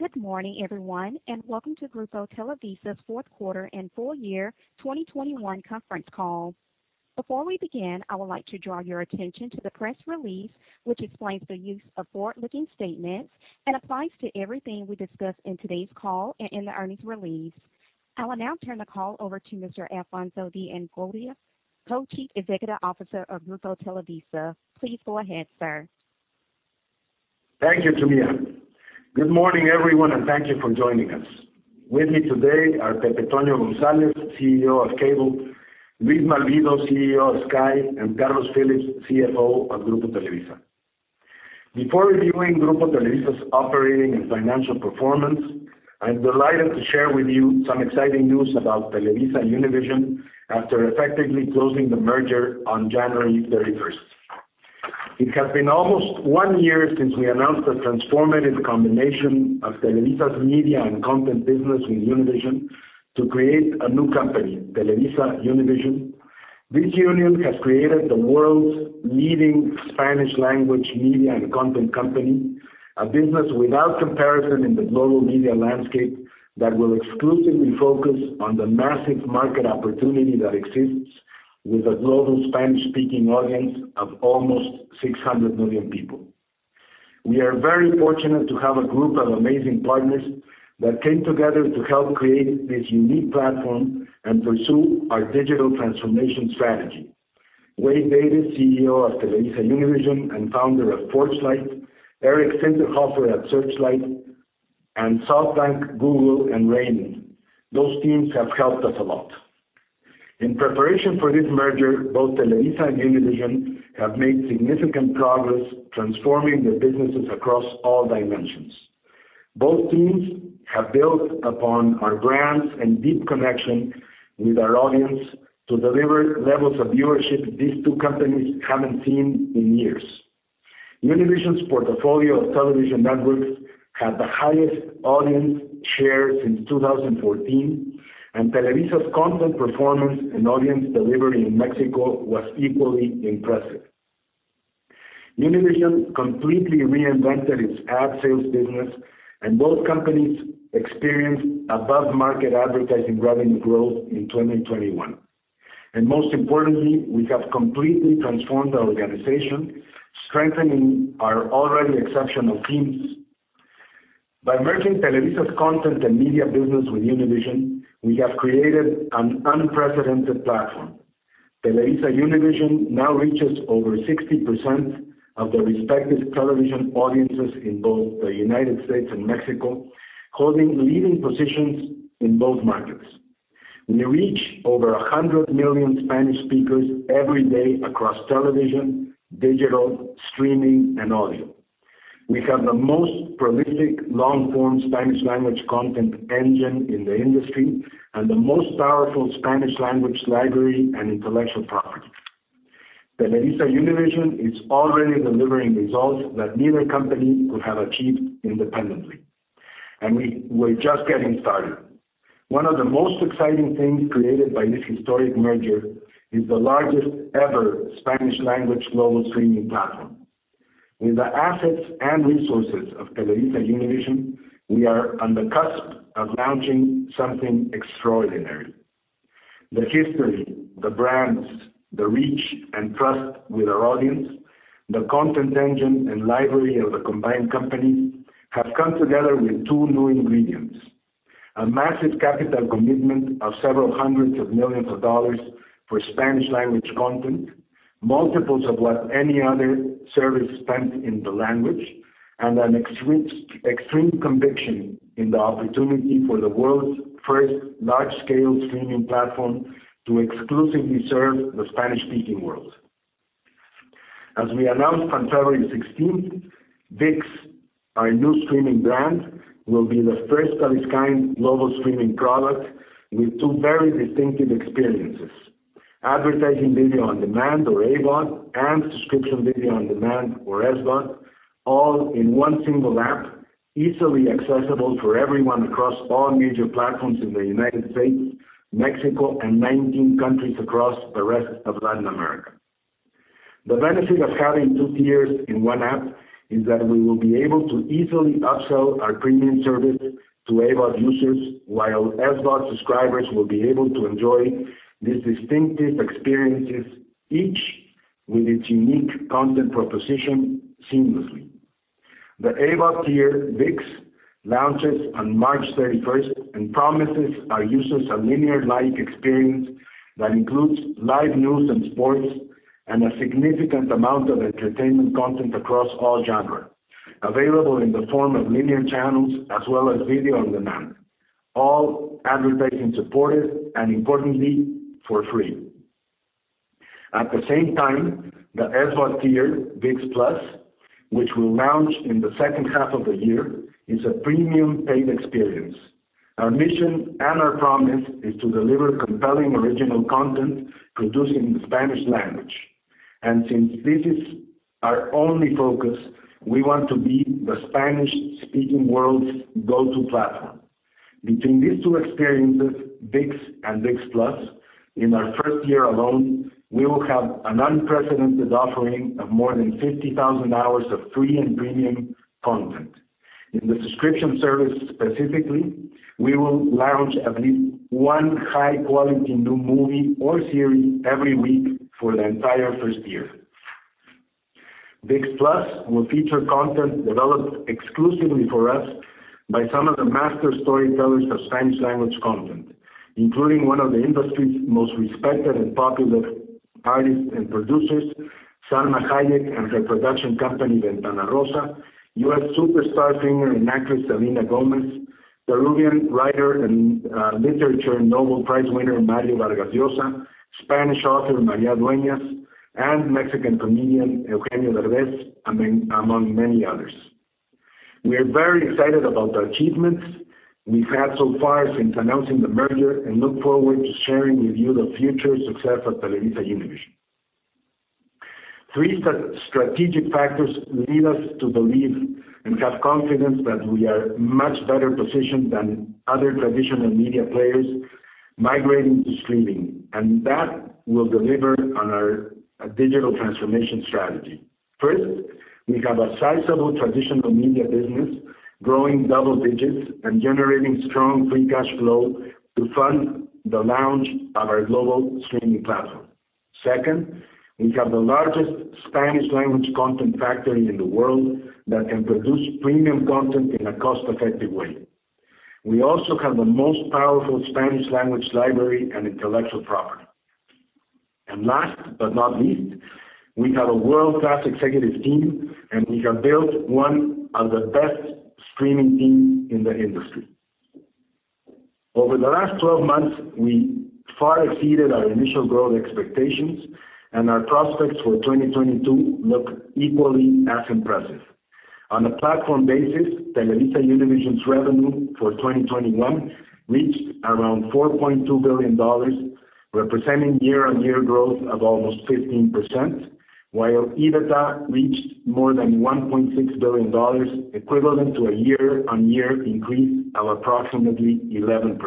Good morning, everyone, and welcome to Grupo Televisa's fourth quarter and full-year 2021 conference call. Before we begin, I would like to draw your attention to the press release, which explains the use of forward-looking statements and applies to everything we discuss in today's call and in the earnings release. I will now turn the call over to Mr. Alfonso de Angoitia, Co-Chief Executive Officer of Grupo Televisa. Please go ahead, sir. Thank you, Julia. Good morning, everyone, and thank you for joining us. With me today are José Antonio González, CEO of Cable, Luis Malvido, CEO of Sky, and Carlos Phillips, CFO of Grupo Televisa. Before reviewing Grupo Televisa's operating and financial performance, I'm delighted to share with you some exciting news about TelevisaUnivision after effectively closing the merger on January 31st. It has been almost one year since we announced the transformative combination of Televisa's media and content business with Univision to create a new company, TelevisaUnivision. This union has created the world's leading Spanish-language media and content company, a business without comparison in the global media landscape that will exclusively focus on the massive market opportunity that exists with a global Spanish-speaking audience of almost 600 million people. We are very fortunate to have a group of amazing partners that came together to help create this unique platform and pursue our digital transformation strategy. Wade Davis, CEO of TelevisaUnivision and founder of ForgeLight, Eric Zinterhofer at Searchlight, and SoftBank, Google and Raymond. Those teams have helped us a lot. In preparation for this merger, both Televisa and Univision have made significant progress transforming their businesses across all dimensions. Both teams have built upon our brands and deep connection with our audience to deliver levels of viewership these two companies haven't seen in years. Univision's portfolio of television networks have the highest audience share since 2014, and Televisa's content performance and audience delivery in Mexico was equally impressive. Univision completely reinvented its ad sales business, and both companies experienced above-market advertising revenue growth in 2021. Most importantly, we have completely transformed our organization, strengthening our already exceptional teams. By merging Televisa's content and media business with Univision, we have created an unprecedented platform. TelevisaUnivision now reaches over 60% of the respective television audiences in both the United States and Mexico, holding leading positions in both markets. We reach over 100 million Spanish speakers every day across television, digital, streaming and audio. We have the most prolific long form Spanish language content engine in the industry and the most powerful Spanish language library and intellectual property. TelevisaUnivision is already delivering results that neither company could have achieved independently, and we're just getting started. One of the most exciting things created by this historic merger is the largest ever Spanish language global streaming platform. With the assets and resources of TelevisaUnivision, we are on the cusp of launching something extraordinary. The history, the brands, the reach and trust with our audience, the content engine and library of the combined company have come together with two new ingredients. A massive capital commitment of several hundred millions of dollars for Spanish language content, multiples of what any other service spent in the language, and an extreme conviction in the opportunity for the world's first large-scale streaming platform to exclusively serve the Spanish-speaking world. As we announced on February 16th, ViX, our new streaming brand, will be the first of its kind global streaming product with two very distinctive experiences. Advertising video on demand, or AVOD, and subscription video on demand, or SVOD, all in one single app, easily accessible for everyone across all major platforms in the United States, Mexico and 19 countries across the rest of Latin America. The benefit of having two tiers in one app is that we will be able to easily upsell our premium service to AVOD users, while SVOD subscribers will be able to enjoy these distinctive experiences, each with its unique content proposition seamlessly. The AVOD tier, ViX, launches on March 31st and promises our users a linear-like experience that includes live news and sports and a significant amount of entertainment content across all genres, available in the form of linear channels as well as video on demand, all advertising supported and importantly, for free. At the same time, the SVOD tier, ViX+, which will launch in the second half of the year, is a premium paid experience. Our mission and our promise is to deliver compelling original content produced in the Spanish language. Since this is our only focus, we want to be the Spanish-speaking world's go-to platform. Between these two experiences, ViX and ViX+, in our first year alone, we will have an unprecedented offering of more than 50,000 hours of free and premium content. In the subscription service specifically, we will launch at least one high-quality new movie or series every week for the entire first year. ViX+ will feature content developed exclusively for us by some of the master storytellers of Spanish-language content, including one of the industry's most respected and popular artists and producers, Salma Hayek, and her production company, Ventanarosa, U.S. superstar singer and actress Selena Gomez, Peruvian writer and literature and Nobel Prize winner Mario Vargas Llosa, Spanish author María Dueñas, and Mexican comedian Eugenio Derbez, among many others. We are very excited about the achievements we've had so far since announcing the merger and look forward to sharing with you the future success of TelevisaUnivision. Three strategic factors lead us to believe and have confidence that we are much better positioned than other traditional media players migrating to streaming, and that will deliver on our digital transformation strategy. First, we have a sizable traditional media business growing double-digit and generating strong free cash flow to fund the launch of our global streaming platform. Second, we have the largest Spanish-language content factory in the world that can produce premium content in a cost-effective way. We also have the most powerful Spanish-language library and intellectual property. Last but not least, we have a world-class executive team, and we have built one of the best streaming teams in the industry. Over the last 12 months, we far exceeded our initial growth expectations, and our prospects for 2022 look equally as impressive. On a platform basis, TelevisaUnivision's revenue for 2021 reached around $4.2 billion, representing year-on-year growth of almost 15%, while EBITDA reached more than $1.6 billion, equivalent to a year-on-year increase of approximately 11%.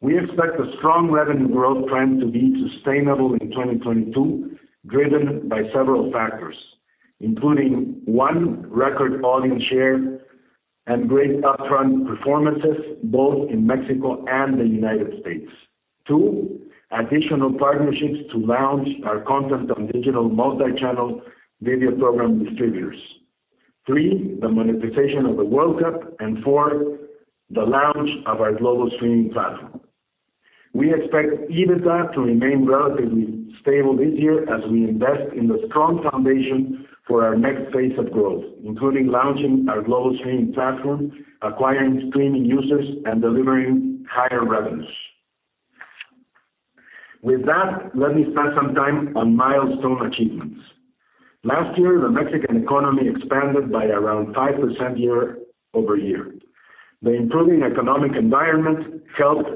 We expect a strong revenue growth trend to be sustainable in 2022, driven by several factors, including, one, record volume share and great upfront performances, both in Mexico and the United States. Two, additional partnerships to launch our content on digital multi-channel video program distributors. Three, the monetization of the World Cup. And four, the launch of our global streaming platform. We expect EBITDA to remain relatively stable this year as we invest in the strong foundation for our next phase of growth, including launching our global streaming platform, acquiring streaming users, and delivering higher revenues. With that, let me spend some time on milestone achievements. Last year, the Mexican economy expanded by around 5% year-over-year. The improving economic environment helped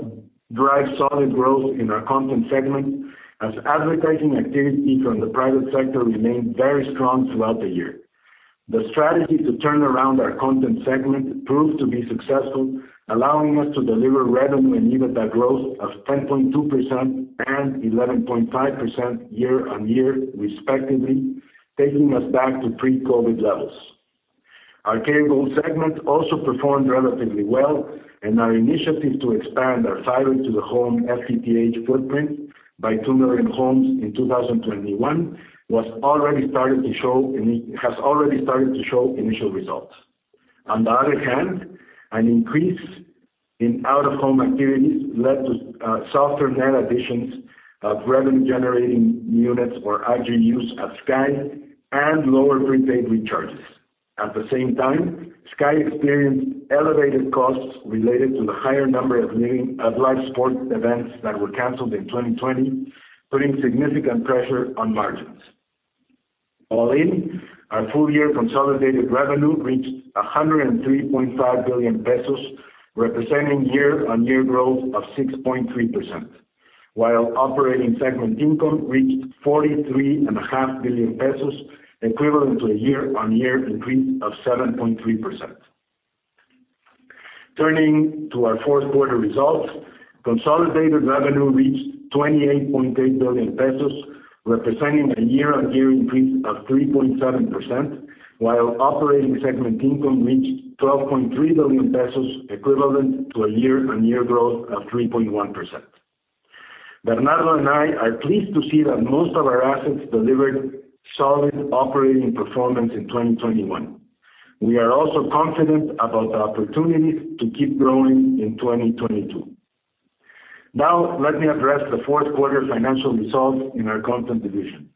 drive solid growth in our content segment as advertising activity from the private sector remained very strong throughout the year. The strategy to turn around our content segment proved to be successful, allowing us to deliver revenue and EBITDA growth of 10.2% and 11.5% year-over-year, respectively, taking us back to pre-COVID levels. Our cable segment also performed relatively well, and our initiative to expand our fiber to the home, FTTH, footprint by two million homes in 2021 has already started to show initial results. On the other hand, an increase in out-of-home activities led to softer net additions of revenue generating units or RGUs at Sky and lower prepaid recharges. At the same time, Sky experienced elevated costs related to the higher number of live sports events that were canceled in 2020, putting significant pressure on margins. All in, our full-year consolidated revenue reached 103.5 billion pesos, representing year-on-year growth of 6.3%, while operating segment income reached 43.5 billion pesos, equivalent to a year-on-year increase of 7.3%. Turning to our fourth quarter results, consolidated revenue reached 28.8 billion pesos, representing a year-on-year increase of 3.7%, while operating segment income reached 12.3 billion pesos, equivalent to a year-on-year growth of 3.1%. Bernardo and I are pleased to see that most of our assets delivered solid operating performance in 2021. We are also confident about the opportunities to keep growing in 2022. Now let me address the fourth quarter financial results in our content division.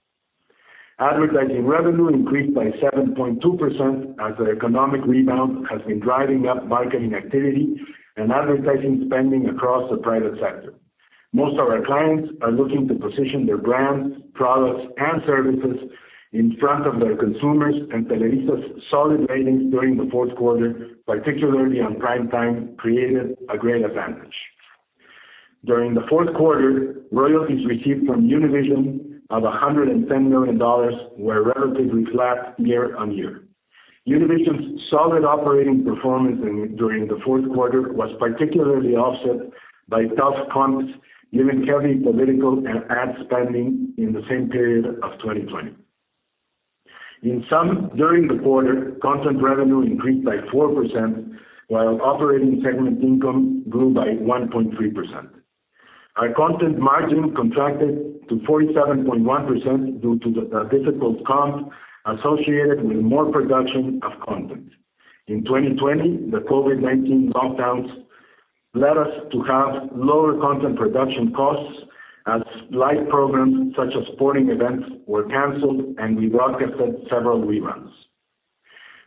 Advertising revenue increased by 7.2% as the economic rebound has been driving up marketing activity and advertising spending across the private sector. Most of our clients are looking to position their brands, products, and services in front of their consumers, and Televisa's solid ratings during the fourth quarter, particularly on prime time, created a great advantage. During the fourth quarter, royalties received from Univision of $110 million were relatively flat year-over-year. Univision's solid operating performance during the fourth quarter was particularly offset by tough comps, given heavy political and ad spending in the same period of 2020. In sum, during the quarter, content revenue increased by 4%, while operating segment income grew by 1.3%. Our content margin contracted to 47.1% due to the difficult comps associated with more production of content. In 2020, the COVID-19 lockdowns led us to have lower content production costs as live programs, such as sporting events, were canceled and we broadcasted several reruns.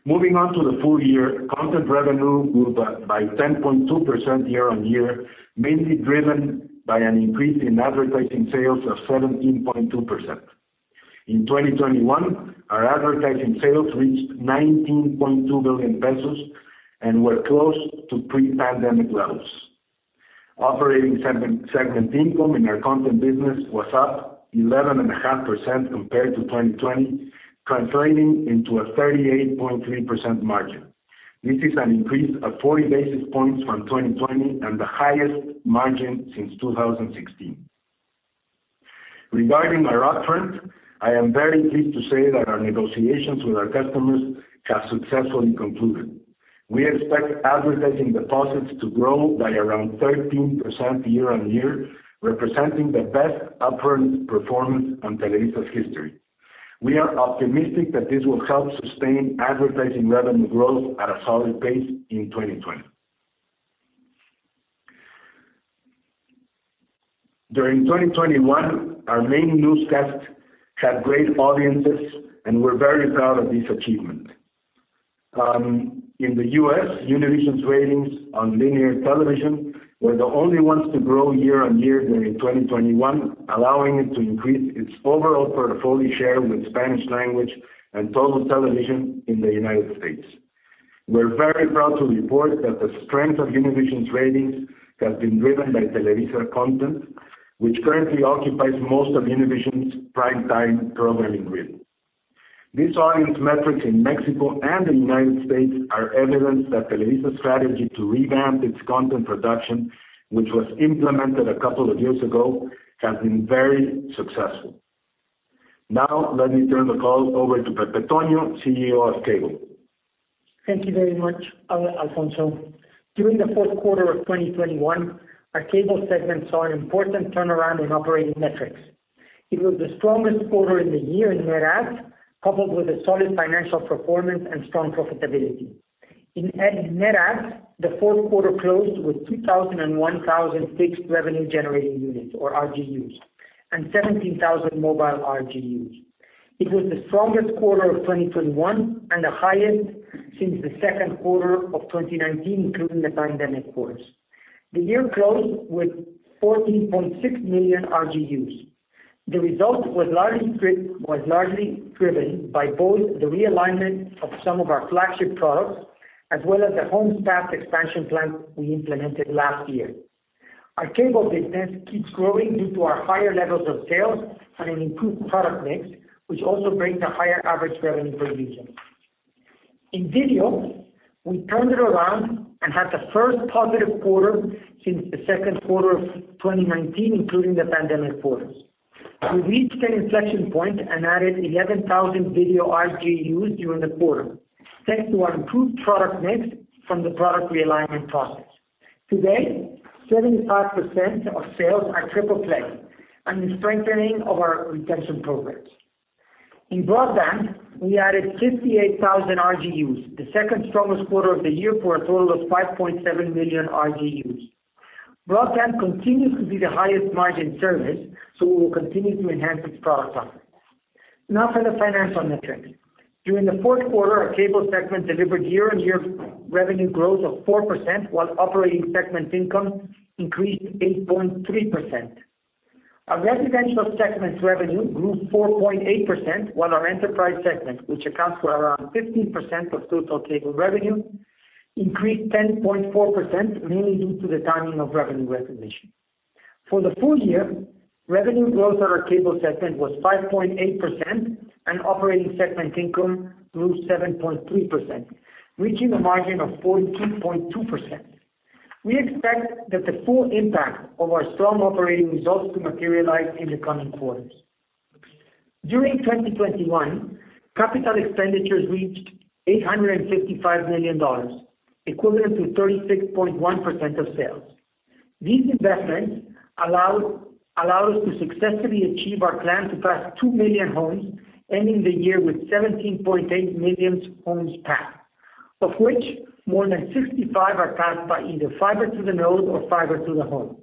Moving on to the full-year, content revenue grew by 10.2% year-on-year, mainly driven by an increase in advertising sales of 17.2%. In 2021, our advertising sales reached 19.2 billion pesos and were close to pre-pandemic levels. Operating segment income in our content business was up 11.5% compared to 2020, translating into a 38.3% margin. This is an increase of 40 basis points from 2020 and the highest margin since 2016. Regarding our upfront, I am very pleased to say that our negotiations with our customers have successfully concluded. We expect advertising deposits to grow by around 13% year-on-year, representing the best upfront performance in Televisa's history. We are optimistic that this will help sustain advertising revenue growth at a solid pace in 2020. During 2021, our main newscast had great audiences, and we're very proud of this achievement. In the U.S., Univision's ratings on linear television were the only ones to grow year-over-year during 2021, allowing it to increase its overall portfolio share with Spanish-language and total television in the United States. We're very proud to report that the strength of Univision's ratings has been driven by Televisa content, which currently occupies most of Univision's prime-time programming grid. These audience metrics in Mexico and the United States are evidence that Televisa's strategy to revamp its content production, which was implemented a couple of years ago, has been very successful. Now let me turn the call over to José Antonio, CEO of Cable. Thank you very much, Alfonso. During the fourth quarter of 2021, our cable segment saw an important turnaround in operating metrics. It was the strongest quarter in the year in net adds, coupled with a solid financial performance and strong profitability. In net adds, the fourth quarter closed with 2,001 fixed revenue generating units or RGUs, and 17,000 mobile RGUs. It was the strongest quarter of 2021 and the highest since the second quarter of 2019, including the pandemic quarters. The year closed with 14.6 million RGUs. The result was largely driven by both the realignment of some of our flagship products as well as the home staff expansion plan we implemented last year. Our cable business keeps growing due to our higher levels of sales and an improved product mix, which also brings a higher average revenue per user. In video, we turned it around and had the first positive quarter since the second quarter of 2019, including the pandemic quarters. We reached an inflection point and added 11,000 video RGUs during the quarter, thanks to our improved product mix from the product realignment process. Today, 75% of sales are triple play and the strengthening of our retention programs. In broadband, we added 58,000 RGUs, the second strongest quarter of the year, for a total of 5.7 million RGUs. Broadband continues to be the highest margin service, so we will continue to enhance its product offering. Now for the financial metrics. During the fourth quarter, our cable segment delivered year-on-year revenue growth of 4%, while operating segment income increased 8.3%. Our residential segment revenue grew 4.8%, while our enterprise segment, which accounts for around 15% of total cable revenue, increased 10.4%, mainly due to the timing of revenue recognition. For the full-year, revenue growth at our cable segment was 5.8%, and operating segment income grew 7.3%, reaching a margin of 14.2%. We expect that the full impact of our strong operating results to materialize in the coming quarters. During 2021, capital expenditures reached $855 million, equivalent to 36.1% of sales. These investments allow us to successfully achieve our plan to pass two million homes, ending the year with 17.8 million homes passed, of which more than 65% are passed by either fiber to the node or fiber to the home.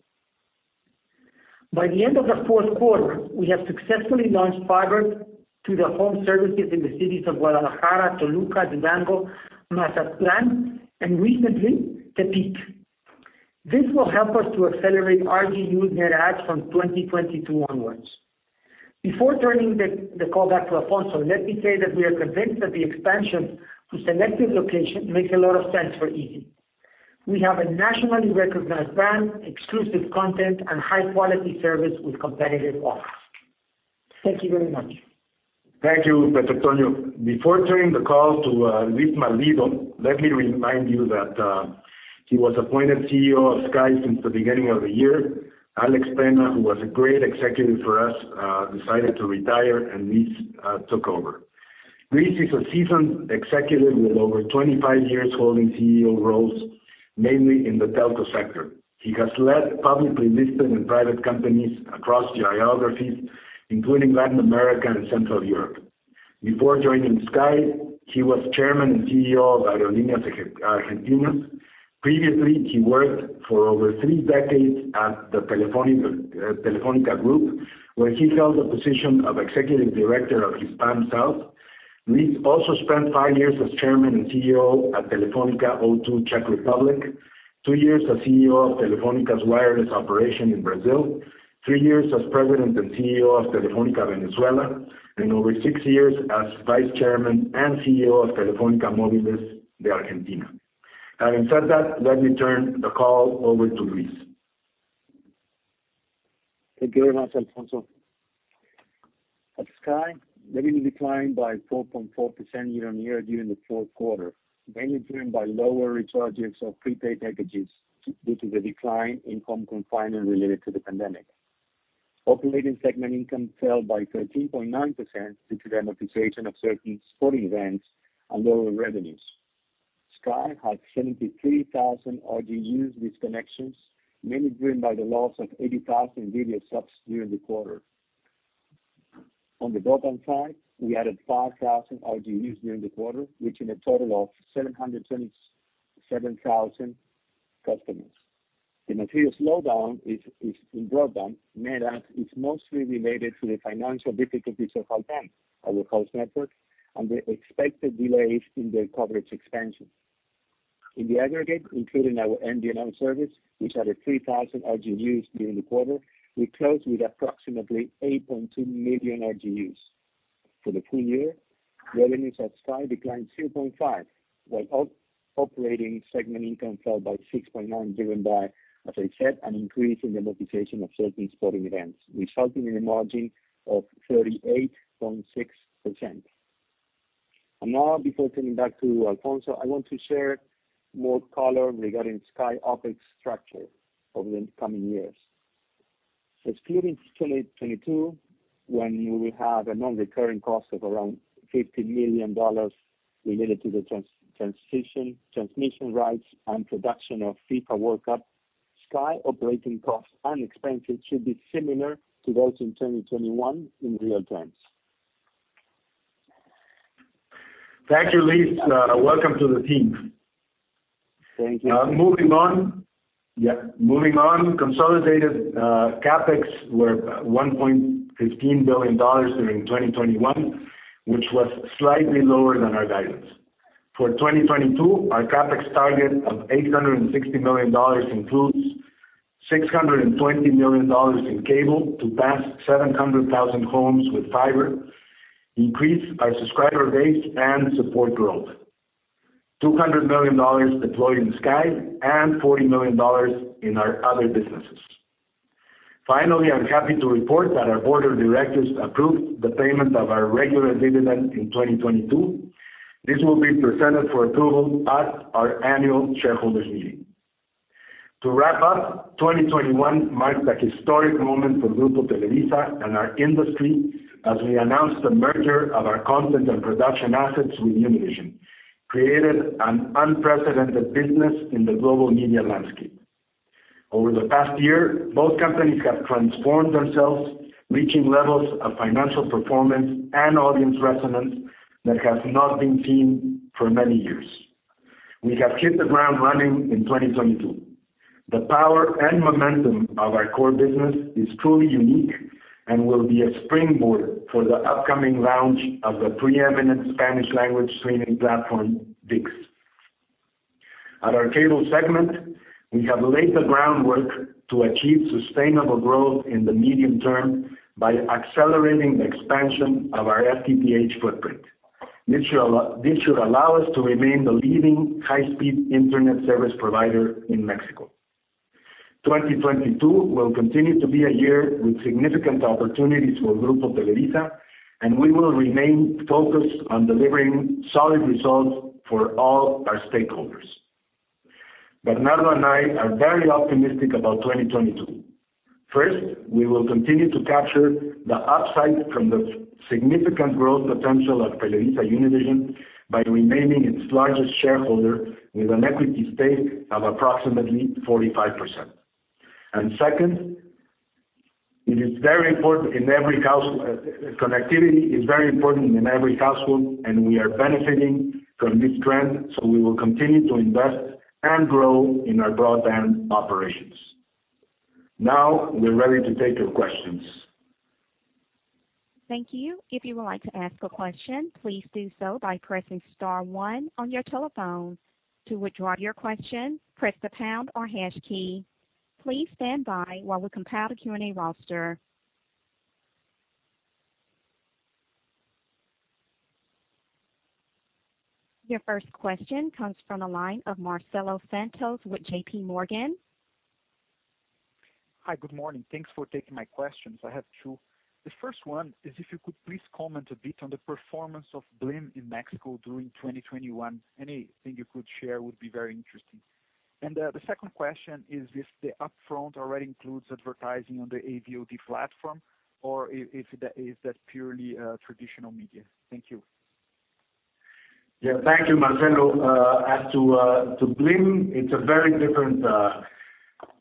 By the end of the fourth quarter, we have successfully launched fiber to the home services in the cities of Guadalajara, Toluca, Durango, Mazatlán, and recently Tepic. This will help us to accelerate RGU net adds from 2022 onwards. Before turning the call back to Alfonso, let me say that we are convinced that the expansion to selected location makes a lot of sense for Izzi. We have a nationally recognized brand, exclusive content, and high quality service with competitive offers. Thank you very much. Thank you, José Antonio. Before turning the call to Luis Malvido, let me remind you that he was appointed CEO of Sky since the beginning of the year. Alex Penna, who was a great executive for us, decided to retire and Luis took over. Luis is a seasoned executive with over 25 years holding CEO roles, mainly in the telco sector. He has led publicly listed and private companies across geographies, including Latin America and Central Europe. Before joining Sky, he was chairman and CEO of Aerolíneas Argentinas. Previously, he worked for over three decades at the Telefónica Group, where he held the position of Executive Director of Hispam South. Luis also spent five years as Chairman and CEO at Telefónica O2 Czech Republic, two years as CEO of Telefónica's wireless operation in Brazil, three years as President and CEO of Telefónica Venezuela, and over six years as Vice Chairman and CEO of Telefónica Móviles de Argentina. Having said that, let me turn the call over to Luis. Thank you very much, Alfonso. At Sky, revenue declined by 4.4% year-on-year during the fourth quarter, mainly driven by lower recharges of prepaid packages due to the decline in home confinement related to the pandemic. Operating segment income fell by 13.9% due to the amortization of certain sporting events and lower revenues. Sky had 73,000 RGUs disconnections, mainly driven by the loss of 80,000 video subs during the quarter. On the broadband side, we added 5,000 RGUs during the quarter, reaching a total of 707,000 customers. The material slowdown is in broadband, mostly related to the financial difficulties of Altán, our host network, and the expected delays in their coverage expansion. In the aggregate, including our NGN service, which added 3,000 RGUs during the quarter, we closed with approximately 8.2 million RGUs. For the full-year, revenues at Sky declined 2.5%, while operating segment income fell by 6.9%, driven by, as I said, an increase in the amortization of certain sporting events, resulting in a margin of 38.6%. Now, before turning back to Alfonso, I want to share more color regarding Sky OpEx structure over the coming years. Excluding 2022, when we have a non-recurring cost of around $50 million related to the transition, transmission rights and production of FIFA World Cup, Sky operating costs and expenses should be similar to those in 2021 in real terms. Thank you, Luis. Welcome to the team. Thank you. Moving on. Consolidated CapEx were $1.15 billion during 2021, which was slightly lower than our guidance. For 2022, our CapEx target of $860 million includes $620 million in cable to pass 700,000 homes with fiber, increase our subscriber base and support growth. $200 million deployed in Sky and $40 million in our other businesses. Finally, I'm happy to report that our board of directors approved the payment of our regular dividend in 2022. This will be presented for approval at our annual shareholders meeting. To wrap up, 2021 marks a historic moment for Grupo Televisa and our industry as we announced the merger of our content and production assets with Univision, creating an unprecedented business in the global media landscape. Over the past year, both companies have transformed themselves, reaching levels of financial performance and audience resonance that has not been seen for many years. We have hit the ground running in 2022. The power and momentum of our core business is truly unique and will be a springboard for the upcoming launch of the preeminent Spanish language streaming platform, ViX. At our cable segment, we have laid the groundwork to achieve sustainable growth in the medium term by accelerating the expansion of our FTTH footprint. This should allow us to remain the leading high-speed internet service provider in Mexico. 2022 will continue to be a year with significant opportunities for Grupo Televisa, and we will remain focused on delivering solid results for all our stakeholders. Bernardo and I are very optimistic about 2022. First, we will continue to capture the upside from the significant growth potential of TelevisaUnivision by remaining its largest shareholder with an equity stake of approximately 45%. Second, connectivity is very important in every household, and we are benefiting from this trend, so we will continue to invest and grow in our broadband operations. Now we're ready to take your questions. Thank you. If you would like to ask a question, please do so by pressing star one on your telephone. To withdraw your question, press the pound or hash key. Please stand by while we compile the Q&A roster. Your first question comes from the line of Marcelo Santos with JPMorgan. Hi. Good morning. Thanks for taking my questions. I have two. The first one is if you could please comment a bit on the performance of Blim in Mexico during 2021. Anything you could share would be very interesting. The second question is if the upfront already includes advertising on the AVOD platform or if that is purely traditional media. Thank you. Yeah. Thank you, Marcelo. As to Blim, it's a very different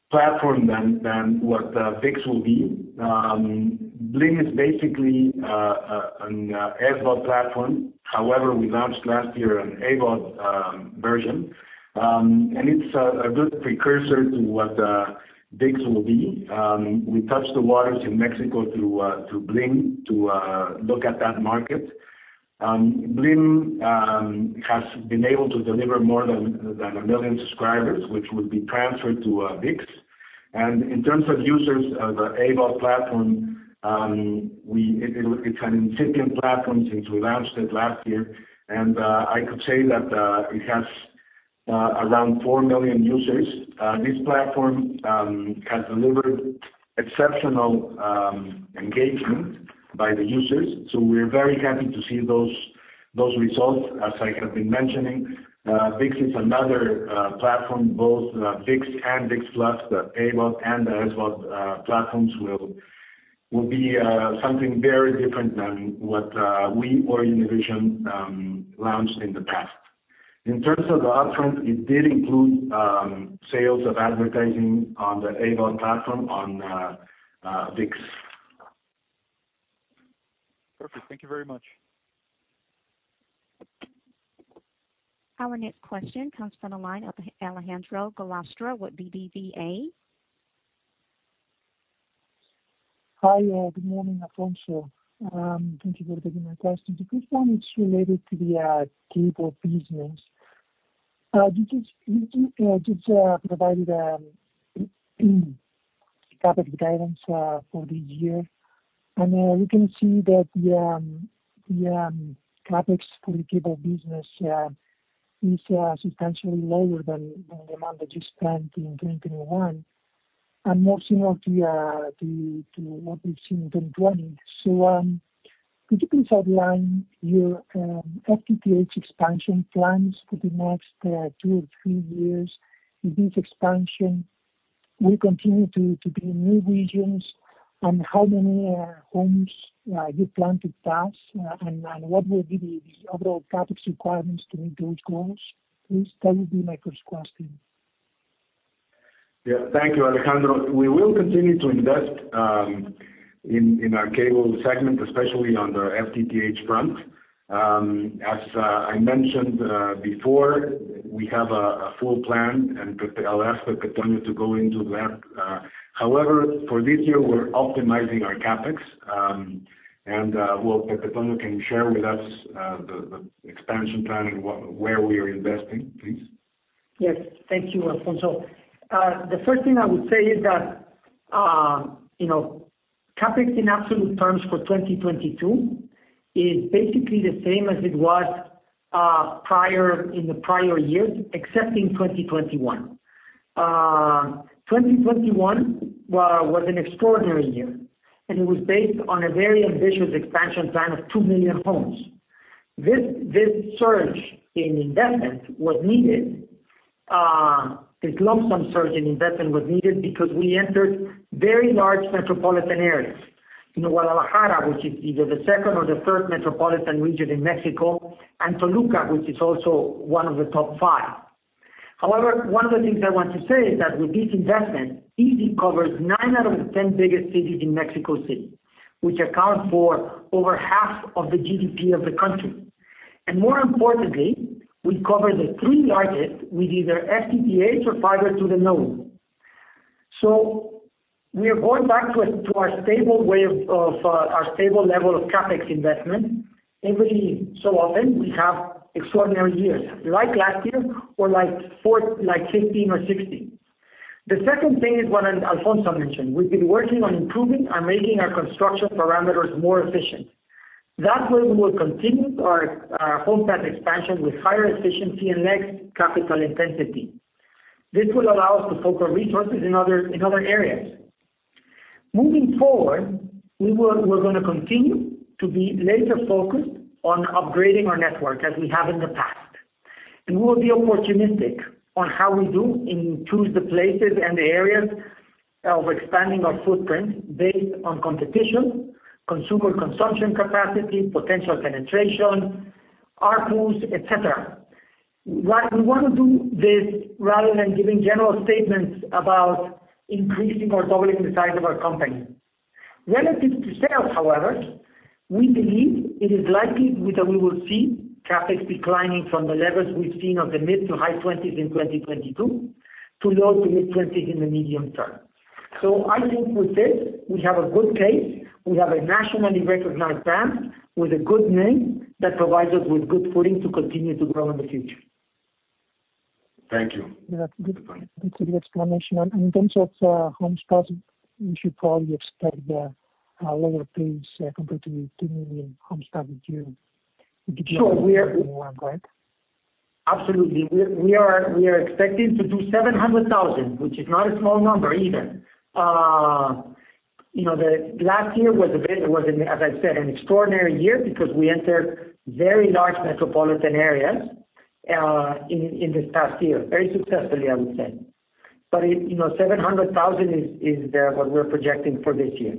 platform than what ViX will be. Blim is basically an SVOD platform. However, we launched last year an AVOD version. It's a good precursor to what ViX will be. We touched the waters in Mexico through Blim to look at that market. Blim has been able to deliver more than one million subscribers, which would be transferred to ViX. In terms of users of the AVOD platform, it's an incipient platform since we launched it last year. I could say that it has around four million users. This platform has delivered exceptional engagement by the users. We're very happy to see those results. As I have been mentioning, ViX is another platform, both ViX and ViX+, the AVOD and the SVOD platforms will be something very different than what we or Univision launched in the past. In terms of the upfront, it did include sales of advertising on the AVOD platform on ViX. Perfect. Thank you very much. Our next question comes from the line of Alejandro Gallostra with BBVA. Hi, good morning, Alfonso. Thank you for taking my questions. The first one is related to the cable business. You just provided CapEx guidance for this year. We can see that the CapEx for the cable business is substantially lower than the amount that you spent in 2021, and more similar to what we've seen in 2020. Could you please outline your FTTH expansion plans for the next two or three years? Will this expansion continue to be in new regions? And how many homes you plan to pass? And what will be the overall CapEx requirements to meet those goals, please? That would be my first question. Yeah. Thank you, Alejandro. We will continue to invest in our cable segment, especially on the FTTH front. As I mentioned before, we have a full plan. I'll ask José Antonio to go into that. However, for this year, we're optimizing our CapEx. Well, José Antonio, can you share with us the expansion plan and where we are investing, please? Yes. Thank you, Alfonso. The first thing I would say is that, you know, CapEx in absolute terms for 2022 is basically the same as it was, prior, in the prior years, except in 2021. 2021 was an extraordinary year, and it was based on a very ambitious expansion plan of two million homes. This surge in investment was needed. This lump sum surge in investment was needed because we entered very large metropolitan areas. You know, Guadalajara, which is either the second or the third metropolitan region in Mexico, and Toluca, which is also one of the top five. However, one of the things I want to say is that with this investment, Izzi covers nine out of the ten biggest cities in Mexico City, which account for over half of the GDP of the country. More importantly, we cover the three largest with either FTTH or fiber to the node. We are going back to our stable level of CapEx investment. Every so often, we have extraordinary years, like last year or like 15 or 16. The second thing is what Alfonso mentioned. We've been working on improving and making our construction parameters more efficient. That way, we will continue our home pass expansion with higher efficiency and less capital intensity. This will allow us to focus resources in other areas. Moving forward, we're gonna continue to be laser focused on upgrading our network as we have in the past. We will be opportunistic on how we do and choose the places and the areas of expanding our footprint based on competition, consumer consumption capacity, potential penetration, ARPU, et cetera. We wanna do this rather than giving general statements about increasing or doubling the size of our company. Relative to sales, however, we believe it is likely that we will see CapEx declining from the levels we've seen of the mid- to high-20s in 2022 to low- to mid-20s in the medium term. I think with this, we have a good case. We have a nationally recognized brand with a good name that provides us with good footing to continue to grow in the future. Thank you. Yeah. Good explanation. In terms of home spots, we should probably expect a lower pace compared to the two million home spots you began with, right? Absolutely. We are expecting to do 700,000, which is not a small number either. You know, the last year was, as I said, an extraordinary year because we entered very large metropolitan areas in this past year very successfully I would say. You know, 700,000 is what we're projecting for this year.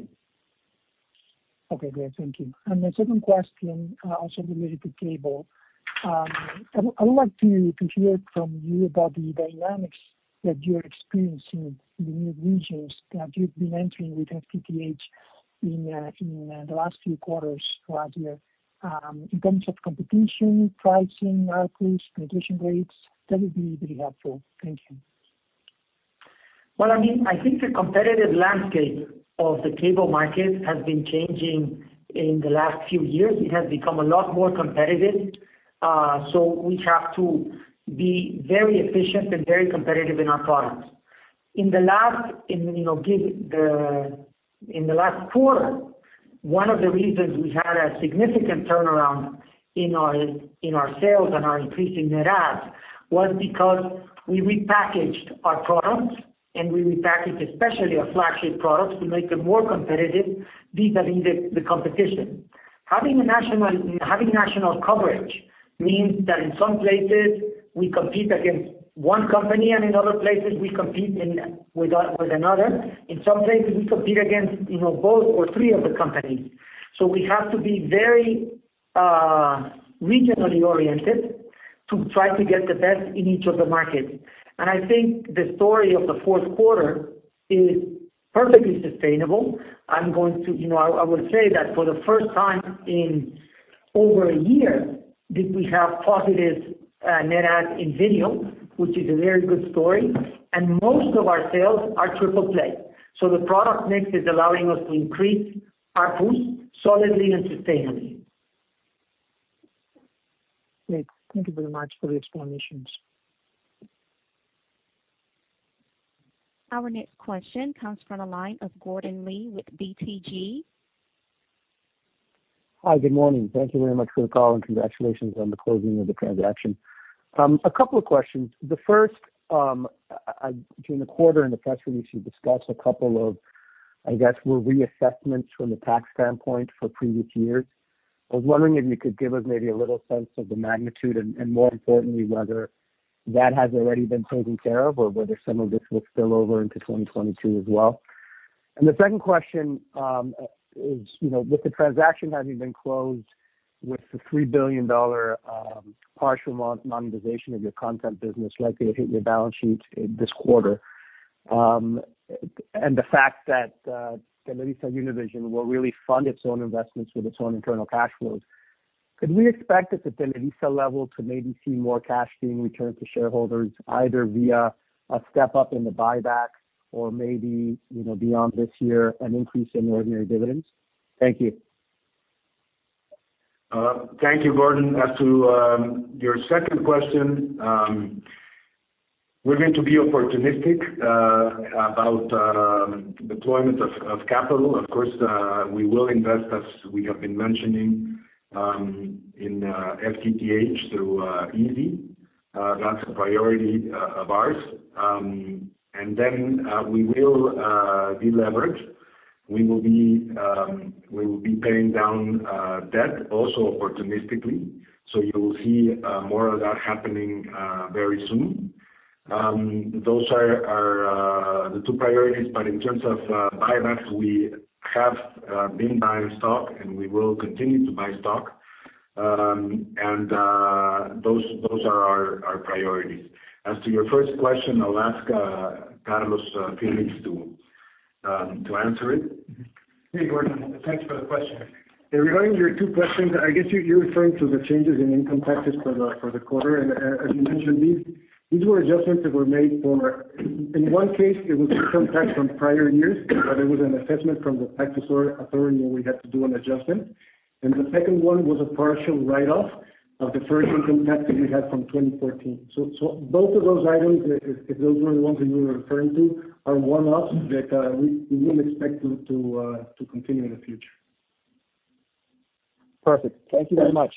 Okay, great. Thank you. My second question, also related to cable. I would like to hear from you about the dynamics that you're experiencing in the new regions that you've been entering with FTTH in the last few quarters last year, in terms of competition, pricing, ARPU, penetration rates, that would be really helpful. Thank you. Well, I mean, I think the competitive landscape of the cable market has been changing in the last few years. It has become a lot more competitive, so we have to be very efficient and very competitive in our products. In the last quarter, one of the reasons we had a significant turnaround in our sales and our increasing net adds was because we repackaged our products, and we repackaged especially our flagship products to make them more competitive vis-a-vis the competition. Having national coverage means that in some places we compete against one company, and in other places we compete with another. In some places, we compete against both or three of the companies. We have to be very, regionally oriented to try to get the best in each of the markets. I think the story of the fourth quarter is perfectly sustainable. I'm going to, you know, I will say that for the first time in over a year did we have positive net adds in video, which is a very good story, and most of our sales are triple play. The product mix is allowing us to increase ARPU solidly and sustainably. Great. Thank you very much for the explanations. Our next question comes from the line of Gordon Lee with BTG. Hi, good morning. Thank you very much for the call and congratulations on the closing of the transaction. A couple of questions. The first, between the quarter and the press release, you discussed a couple of, I guess, reassessments from the tax standpoint for previous years. I was wondering if you could give us maybe a little sense of the magnitude and, more importantly, whether that has already been taken care of or whether some of this will spill over into 2022 as well. The second question is, you know, with the transaction having been closed with the $3 billion partial monetization of your content business likely to hit your balance sheet this quarter, and the fact that TelevisaUnivision will really fund its own investments with its own internal cash flows, could we expect at the Televisa level to maybe see more cash being returned to shareholders, either via a step up in the buyback or maybe, you know, beyond this year, an increase in ordinary dividends? Thank you. Thank you, Gordon. As to your second question, we're going to be opportunistic about deployment of capital. Of course, we will invest as we have been mentioning in FTTH through Izzi. That's a priority of ours. We will deleverage. We will be paying down debt also opportunistically. You will see more of that happening very soon. Those are our two priorities, but in terms of buybacks, we have been buying stock, and we will continue to buy stock. Those are our priorities. As to your first question, I'll ask Carlos Phillips to answer it. Hey, Gordon. Thanks for the question. Regarding your two questions, I guess you're referring to the changes in income taxes for the quarter. As you mentioned, these were adjustments that were made for in one case, it was income tax from prior years, where there was an assessment from the tax authority, and we had to do an adjustment. The second one was a partial write-off of deferred income tax that we had from 2014. Both of those items, if those were the ones that you were referring to, are one-offs that we wouldn't expect to continue in the future. Perfect. Thank you very much.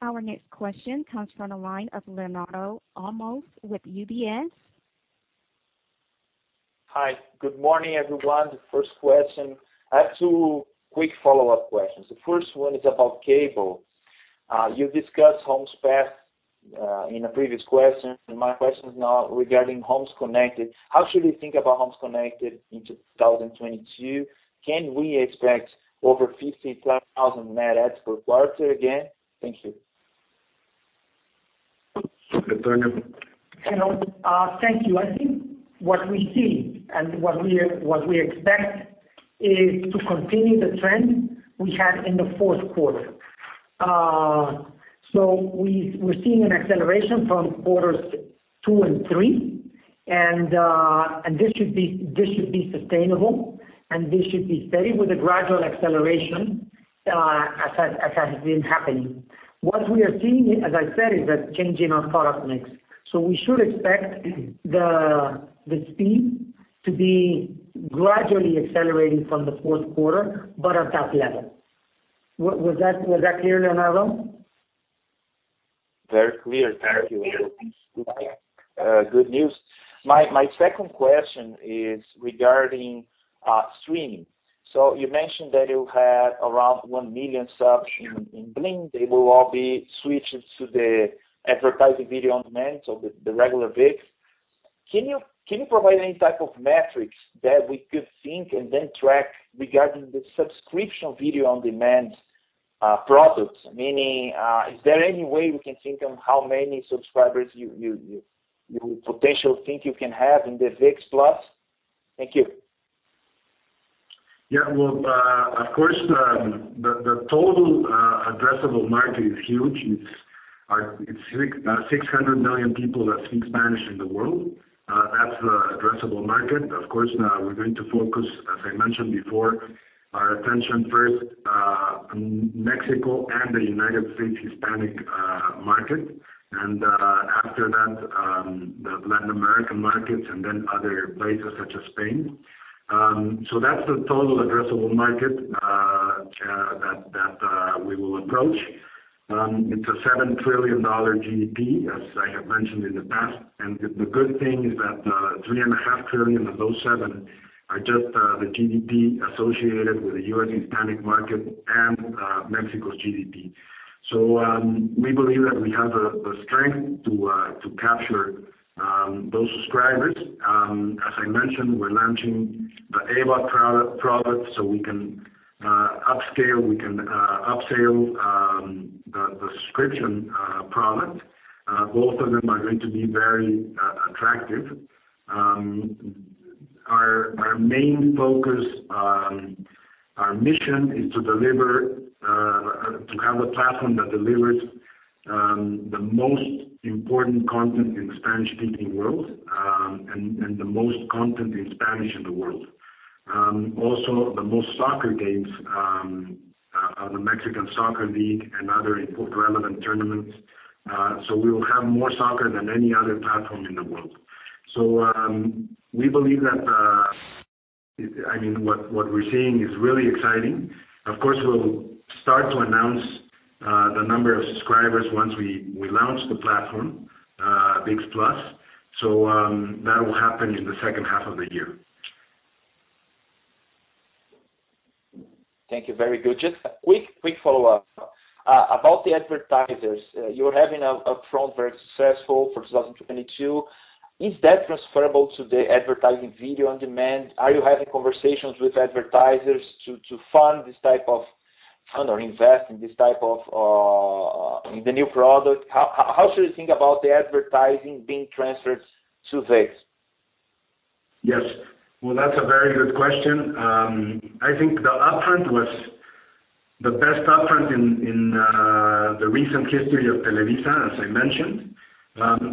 Our next question comes from the line of Leonardo Olmos with UBS. Hi. Good morning, everyone. The first question. I have two quick follow-up questions. The first one is about cable. You've discussed Homes Pass in a previous question, and my question is now regarding Homes Connected. How should we think about Homes Connected in 2022? Can we expect over 50,000+ net adds per quarter again? Thank you. José Antonio. You know, thank you. I think what we see and what we expect is to continue the trend we had in the fourth quarter. We're seeing an acceleration from quarters two and three. This should be sustainable, and this should be steady with a gradual acceleration, as has been happening. What we are seeing, as I said, is that change in our product mix. We should expect the speed to be gradually accelerating from the fourth quarter, but at that level. Was that clear, Leonardo? Very clear. Thank you. Okay. Good news. My second question is regarding streaming. You mentioned that you had around one million subs in Blim. They will all be switched to the advertising video on demand, so the regular ViX. Can you provide any type of metrics that we could think and then track regarding the subscription video on demand products? Meaning, is there any way we can think on how many subscribers you potentially think you can have in the ViX+? Thank you. Yeah. Well, of course, the total addressable market is huge. It's 600 million people that speak Spanish in the world. That's the addressable market. Of course now we're going to focus, as I mentioned before, our attention first, Mexico and the United States Hispanic market. After that, the Latin American markets and then other places such as Spain. That's the total addressable market that we will approach. It's a $7 trillion GDP, as I have mentioned in the past. The good thing is that $3.5 trillion of those $7 trillion are just the GDP associated with the U.S. Hispanic market and Mexico's GDP. We believe that we have the strength to capture those subscribers. As I mentioned, we're launching the AVOD pro-product so we can upscale, we can upsell the subscription product. Both of them are going to be very attractive. Our main focus, our mission is to deliver to have a platform that delivers the most important content in the Spanish-speaking world, and the most content in Spanish in the world. Also the most soccer games, the Mexican Soccer League and other important relevant tournaments. We will have more soccer than any other platform in the world. We believe that I mean what we're seeing is really exciting. Of course, we'll start to announce the number of subscribers once we launch the platform, ViX+. That will happen in the second half of the year. Thank you. Very good. Just a quick follow-up. About the advertisers, you're having an upfront very successful for 2022. Is that transferable to the advertising video on demand? Are you having conversations with advertisers to fund this type of fund or invest in this type of the new product? How should we think about the advertising being transferred to ViX? Yes. Well, that's a very good question. I think the upfront was the best upfront in the recent history of Televisa, as I mentioned.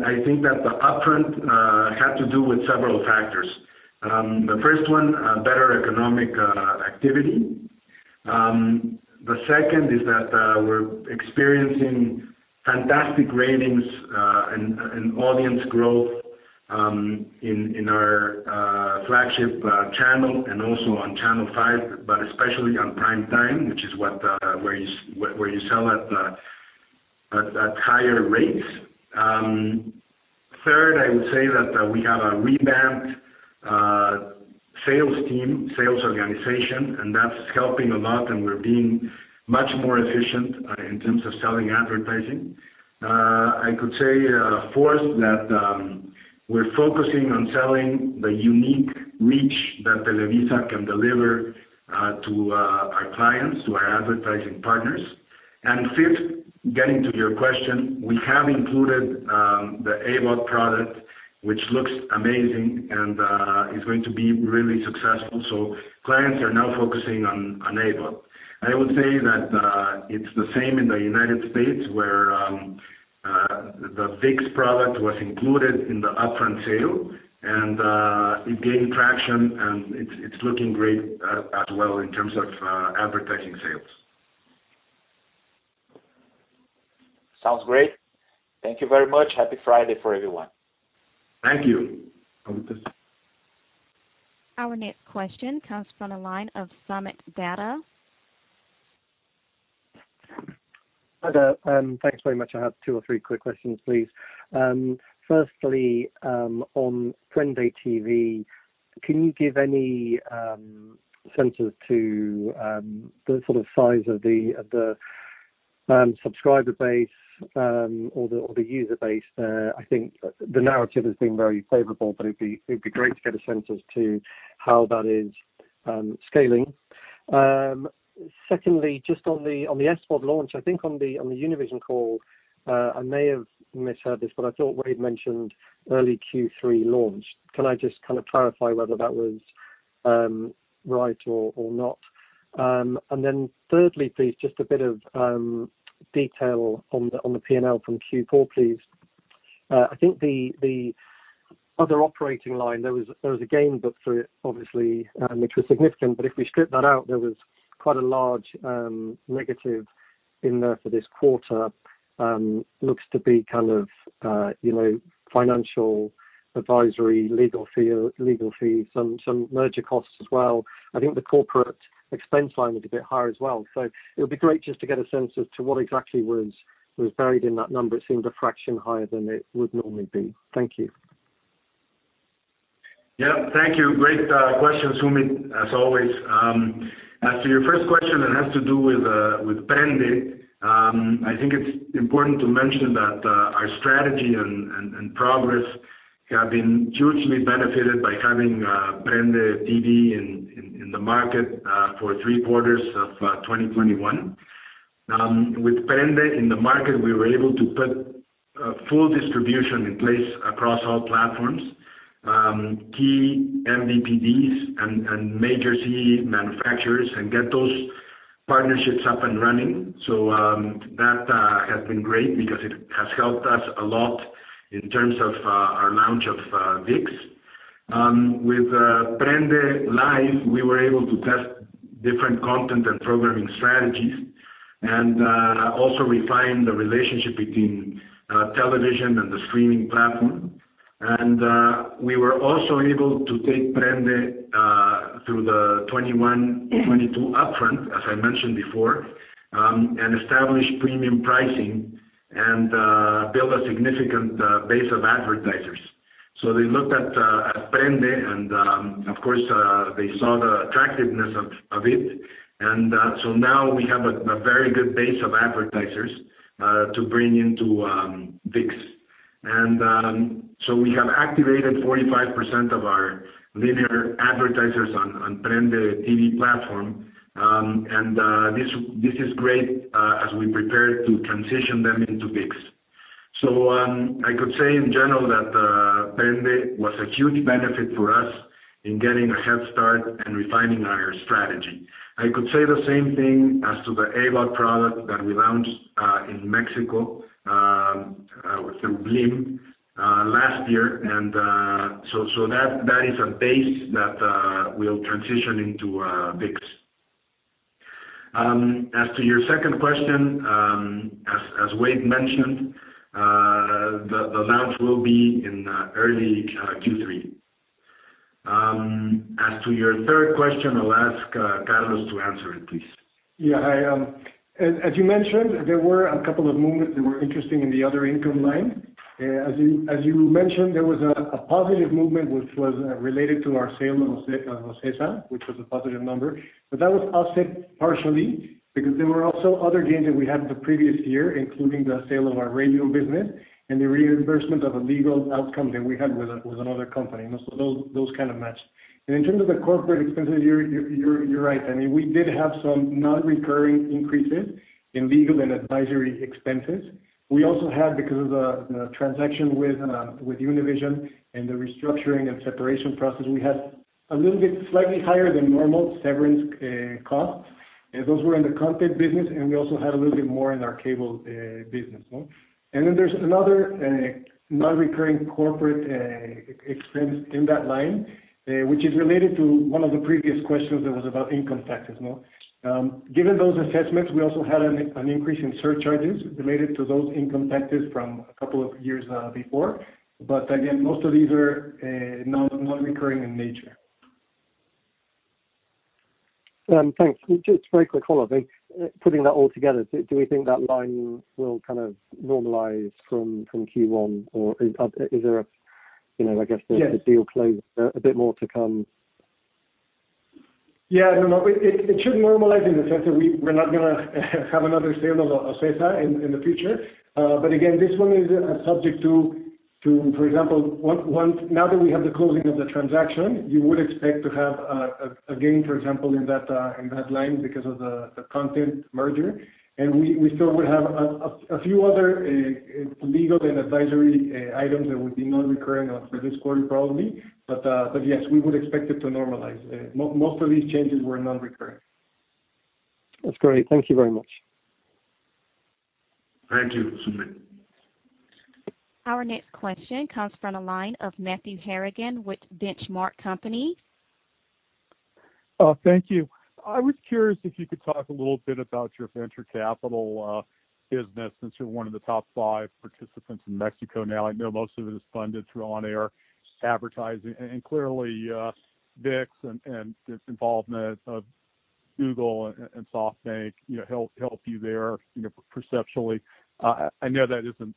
I think that the upfront had to do with several factors. The first one, better economic activity. The second is that we're experiencing fantastic ratings and audience growth in our flagship channel and also on channel five, but especially on prime time, which is where you sell at higher rates. Third, I would say that we have a revamped sales team, sales organization, and that's helping a lot, and we're being much more efficient in terms of selling advertising. I could say, fourth, that we're focusing on selling the unique reach that Televisa can deliver to our clients, to our advertising partners. Fifth, getting to your question, we have included the AVOD product, which looks amazing and is going to be really successful. Clients are now focusing on AVOD. I would say that it's the same in the United States, where the ViX product was included in the upfront sale, and it gained traction and it's looking great as well in terms of advertising sales. Sounds great. Thank you very much. Happy Friday for everyone. Thank you. Our next question comes from the line of Soomit Datta. Hi there. Thanks very much. I have two or three quick questions, please. Firstly, on PrendeTV, can you give any sense as to the sort of size of the subscriber base or the user base? I think the narrative has been very favorable, but it'd be great to get a sense as to how that is scaling. Secondly, just on the SVOD launch, I think on the Univision call, I may have misheard this, but I thought Wade mentioned early Q3 launch. Can I just kind of clarify whether that was right or not? Thirdly, please, just a bit of detail on the P&L from Q4, please. I think the other operating line there was a gain, but that was obviously significant, but if we strip that out, there was quite a large negative in there for this quarter. Looks to be kind of financial advisory, legal fees, some merger costs as well. I think the corporate expense line was a bit higher as well. It would be great just to get a sense as to what exactly was buried in that number. It seemed a fraction higher than it would normally be. Thank you. Yeah. Thank you. Great questions, Sumit, as always. As to your first question that has to do with Prende. I think it's important to mention that our strategy and progress have been hugely benefited by having PrendeTV in the market for three quarters of 2021. With Prende in the market, we were able to put full distribution in place across all platforms, key MVPDs and major CE manufacturers and get those partnerships up and running. That has been great because it has helped us a lot in terms of our launch of ViX. With Prende Live, we were able to test different content and programming strategies and also refine the relationship between television and the streaming platform. We were also able to take Prende through the 2021, 2022 upfront, as I mentioned before, and establish premium pricing and build a significant base of advertisers. They looked at Prende, and of course, they saw the attractiveness of it. Now we have a very good base of advertisers to bring into ViX. We have activated 45% of our linear advertisers on PrendeTV platform. This is great as we prepare to transition them into ViX. I could say in general that Prende was a huge benefit for us in getting a head start and refining our strategy. I could say the same thing as to the AVOD product that we launched in Mexico through Blim last year. That is a base that we'll transition into ViX. As to your second question, as Wade mentioned, the launch will be in early Q3. As to your third question, I'll ask Carlos to answer it, please. Yeah. I, as you mentioned, there were a couple of movements that were interesting in the other income line. As you mentioned, there was a positive movement which was related to our sale of OCESA, which was a positive number. That was offset partially because there were also other gains that we had the previous year, including the sale of our radio business and the reimbursement of a legal outcome that we had with another company. Those kind of matched. In terms of the corporate expenses, you're right. I mean, we did have some non-recurring increases in legal and advisory expenses. We also had, because of the transaction with Univision and the restructuring and separation process, we had a little bit slightly higher than normal severance costs. Those were in the content business, and we also had a little bit more in our cable business. Then there's another non-recurring corporate expense in that line, which is related to one of the previous questions that was about income taxes, no? Given those assessments, we also had an increase in surcharges related to those income taxes from a couple of years before. Again, most of these are non-recurring in nature. Thanks. Just very quick follow-up. Putting that all together, do we think that line will kind of normalize from Q1? Or is there a, you know, I guess- Yes. Is the deal close? A bit more to come? Yeah, no. It should normalize in the sense that we're not gonna have another sale of OCESA in the future. But again, this one is subject to, for example, one now that we have the closing of the transaction, you would expect to have a gain, for example, in that line because of the content merger. We still would have a few other legal and advisory items that would be non-recurring for this quarter, probably. But yes, we would expect it to normalize. Most of these changes were non-recurring. That's great. Thank you very much. Thank you, Soomit. Our next question comes from the line of Matthew Harrigan with Benchmark Company. Thank you. I was curious if you could talk a little bit about your venture capital business since you're one of the top five participants in Mexico now. I know most of it is funded through on-air advertising. Clearly, ViX and its involvement of Google and SoftBank, you know, help you there, you know, perceptually. I know that isn't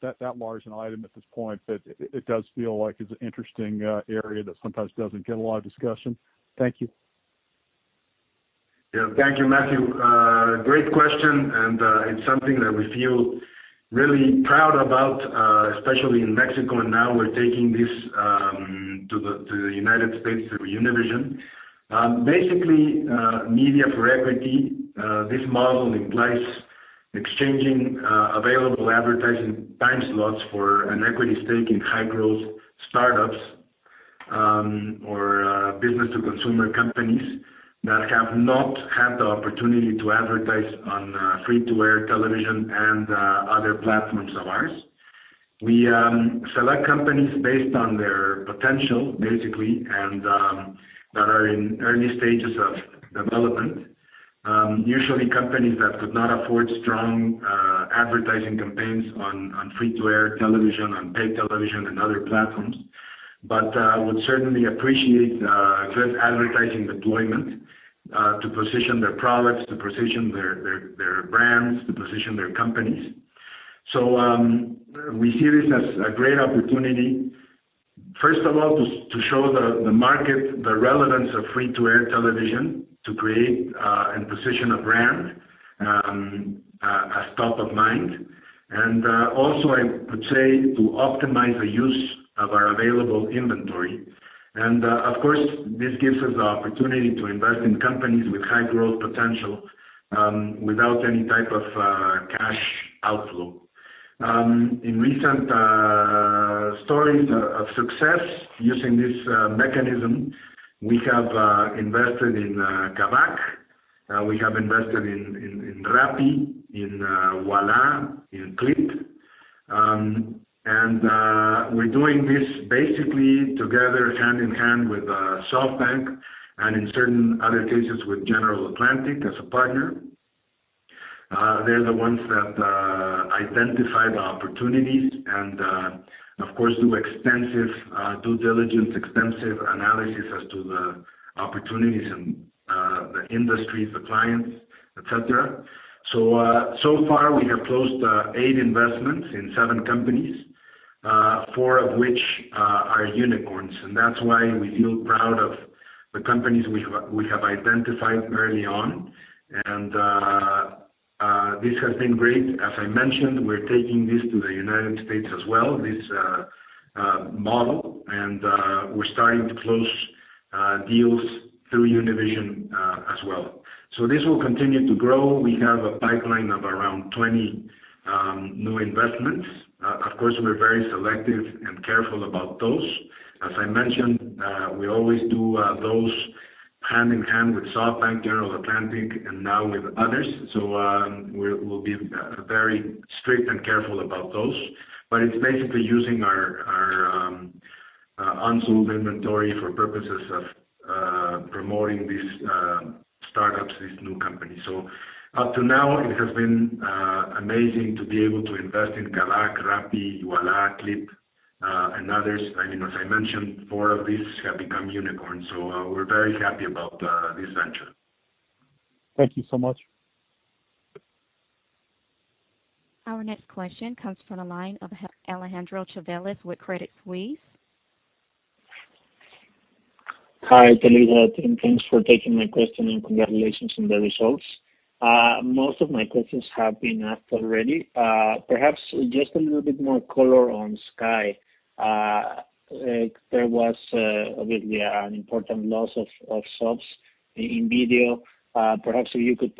that large an item at this point, but it does feel like it's an interesting area that sometimes doesn't get a lot of discussion. Thank you. Yeah. Thank you, Matthew. Great question, and it's something that we feel really proud about, especially in Mexico, and now we're taking this to the United States through Univision. Basically, media for equity, this model implies exchanging available advertising time slots for an equity stake in high-growth startups, or business to consumer companies that have not had the opportunity to advertise on free-to-air television and other platforms of ours. We select companies based on their potential, basically, and that are in early stages of development. Usually companies that could not afford strong advertising campaigns on free-to-air television, on paid television and other platforms, but would certainly appreciate just advertising deployment to position their products, to position their brands, to position their companies. We see this as a great opportunity, first of all, to show the market the relevance of free-to-air television to create and position a brand as top of mind. Also I would say to optimize the use of our available inventory. Of course, this gives us the opportunity to invest in companies with high growth potential, without any type of cash outflow. In recent stories of success using this mechanism, we have invested in Kavak. We have invested in Rappi, in Ualá, in Clip. We're doing this basically together hand-in-hand with SoftBank, and in certain other cases with General Atlantic as a partner. They're the ones that identify the opportunities and, of course, do extensive due diligence, extensive analysis as to the opportunities and the industries, the clients, et cetera. So far we have closed eight investments in seven companies, four of which are unicorns. That's why we feel proud of the companies we have identified early on. This has been great. As I mentioned, we're taking this to the United States as well, this model. We're starting to close deals through Univision as well. This will continue to grow. We have a pipeline of around 20 new investments. Of course, we're very selective and careful about those. As I mentioned, we always do those hand-in-hand with SoftBank, General Atlantic, and now with others. We'll be very strict and careful about those. It's basically using our unsold inventory for purposes of promoting these startups, these new companies. Up to now, it has been amazing to be able to invest in Kavak, Rappi, Ualá, Clip, and others. You know, as I mentioned, four of these have become unicorns. We're very happy about this venture. Thank you so much. Our next question comes from the line of Alejandro Chavelas with Credit Suisse. Hi, Televisa team. Thanks for taking my question, and congratulations on the results. Most of my questions have been asked already. Perhaps just a little bit more color on Sky. Like there was obviously an important loss of subs in video. Do you think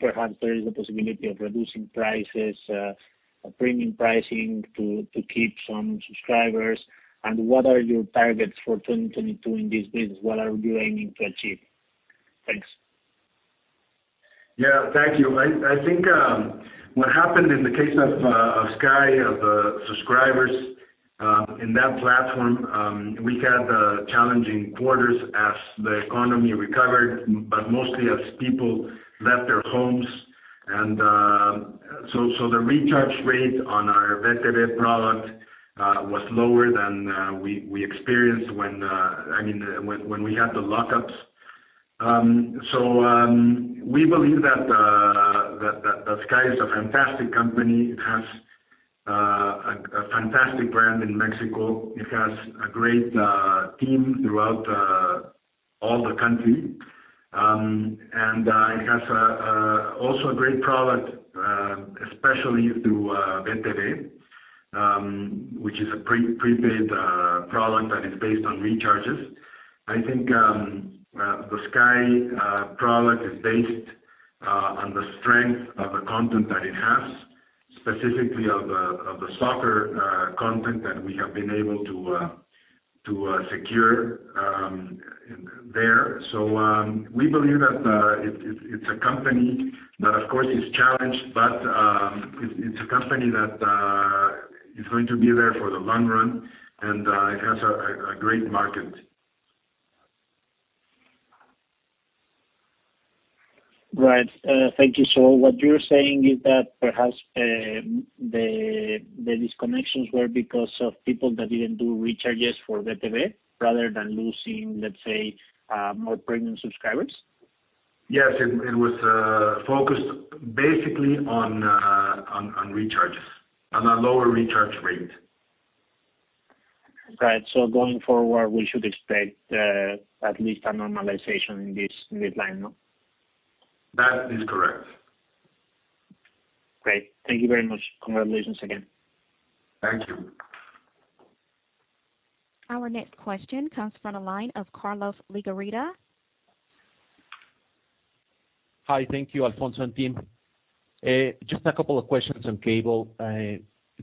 perhaps there is a possibility of reducing prices, premium pricing to keep some subscribers? What are your targets for 2022 in this business? What are you aiming to achieve? Thanks. Thank you. I think what happened in the case of Sky subscribers in that platform. We had challenging quarters as the economy recovered, but mostly as people left their homes and so the recharge rate on our VeTV product was lower than we experienced when, I mean, when we had the lockdowns. We believe that Sky is a fantastic company. It has a fantastic brand in Mexico. It has a great team throughout all the country. It has also a great product, especially through VeTV, which is a prepaid product that is based on recharges. I think the Sky product is based on the strength of the content that it has, specifically of the soccer content that we have been able to secure there. We believe that it's a company that of course is challenged, but it's a company that is going to be there for the long run and it has a great market. Right. Thank you. What you're saying is that perhaps the disconnections were because of people that didn't do recharges for VeTV rather than losing, let's say, more premium subscribers? Yes. It was focused basically on recharges, on a lower recharge rate. Right. Going forward, we should expect at least a normalization in this line, no? That is correct. Great. Thank you very much. Congratulations again. Thank you. Our next question comes from the line of Carlos de Legarreta. Hi. Thank you Alfonso and team. Just a couple of questions on cable.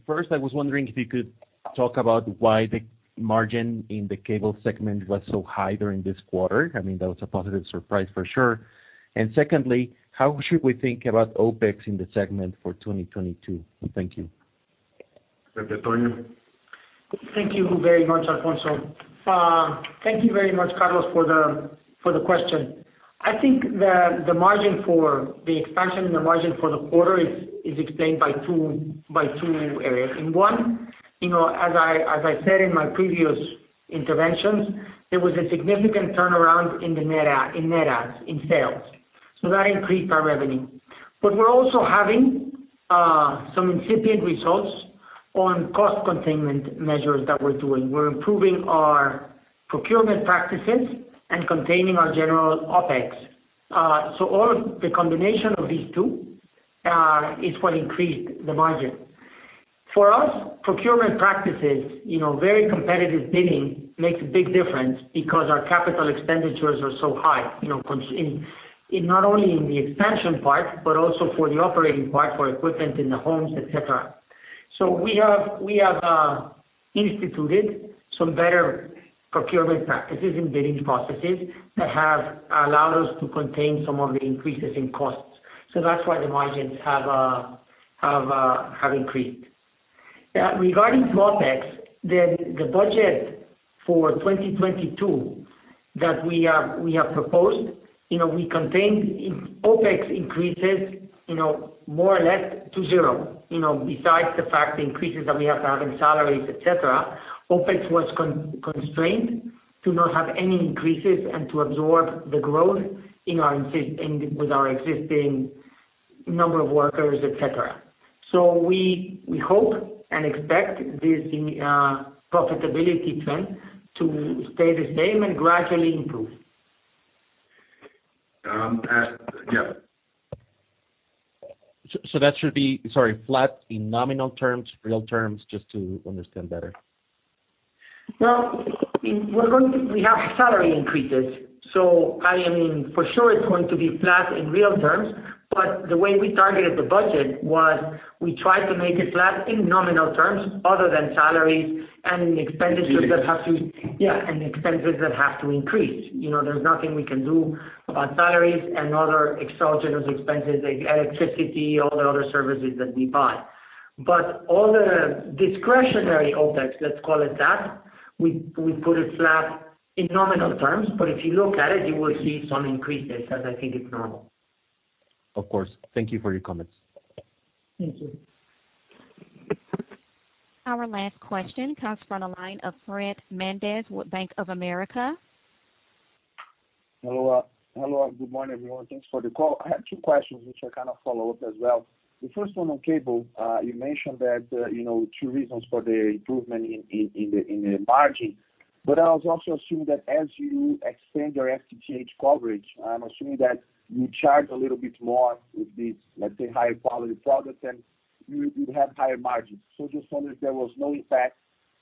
First, I was wondering if you could talk about why the margin in the cable segment was so high during this quarter. I mean, that was a positive surprise for sure. Secondly, how should we think about OpEx in the segment for 2022? Thank you. José Antonio. Thank you very much, Alfonso. Thank you very much, Carlos, for the question. I think the margin for the expansion, the margin for the quarter is explained by two areas. In one, you know, as I said in my previous interventions, there was a significant turnaround in net adds in sales. That increased our revenue. We're also having some incipient results on cost containment measures that we're doing. We're improving our procurement practices and containing our general OpEx. All of the combination of these two is what increased the margin. For us, procurement practices, you know, very competitive bidding makes a big difference because our CapEx are so high, you know, not only in the expansion part, but also for the operating part, for equipment in the homes, et cetera. We have instituted some better procurement practices and bidding processes that have allowed us to contain some of the increases in costs. That's why the margins have increased. Regarding OpEx, the budget for 2022 that we have proposed, you know, we contained OpEx increases, you know, more or less to zero, you know, besides the fact the increases that we have to have in salaries, et cetera. OpEx was constrained to not have any increases and to absorb the growth with our existing number of workers, et cetera. We hope and expect this profitability trend to stay the same and gradually improve. Yeah. Sorry, that should be flat in nominal terms, real terms, just to understand better. We have salary increases, so I mean, for sure it's going to be flat in real terms. The way we targeted the budget was we tried to make it flat in nominal terms other than salaries and in expenditures and expenses that have to increase. You know, there's nothing we can do about salaries and other exogenous expenses like electricity, all the other services that we buy. All the discretionary OpEx, let's call it that, we put it flat in nominal terms, but if you look at it, you will see some increases as I think is normal. Of course. Thank you for your comments. Thank you. Our last question comes from the line of Fred Mendes with Bank of America. Hello. Good morning, everyone. Thanks for the call. I have two questions which I kind of follow up as well. The first one on cable, you mentioned that, you know, two reasons for the improvement in the margin. I was also assuming that as you extend your FTTH coverage, I'm assuming that you charge a little bit more with these, let's say, higher quality products, and you'd have higher margins. Just wondered if there was no impact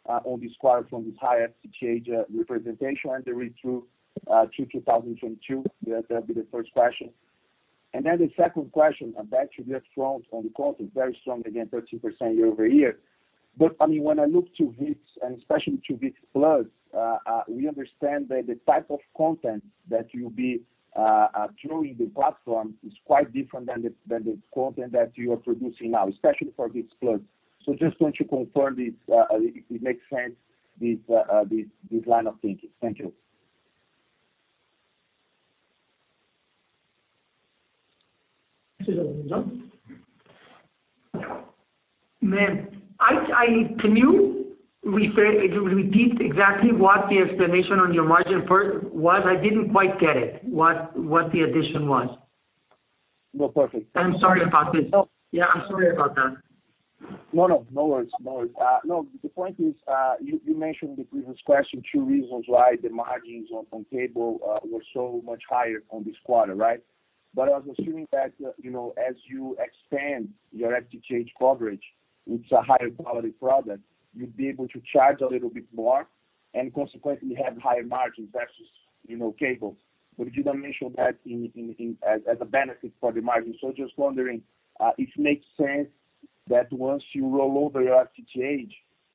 on this quarter from this higher FTTH representation and the read-through to 2022. That'd be the first question. Then the second question on that should be strong on the content, very strong, again, 13% year-over-year. I mean, when I look to ViX and especially to ViX+, we understand that the type of content that you'll be throwing in the platform is quite different than the content that you are producing now, especially for ViX+. Just want to confirm this, if it makes sense, this line of thinking. Thank you. Can you repeat exactly what the explanation on your margin per was? I didn't quite get it, what the addition was. No, perfect. I'm sorry about this. No. Yeah, I'm sorry about that. No. No worries. No, the point is, you mentioned the previous question, two reasons why the margins on cable were so much higher on this quarter, right? I was assuming that, you know, as you expand your FTTH coverage, it's a higher quality product, you'd be able to charge a little bit more and consequently have higher margins versus, you know, cable. You don't mention that in as a benefit for the margin. Just wondering if it makes sense that once you roll over your FTTH,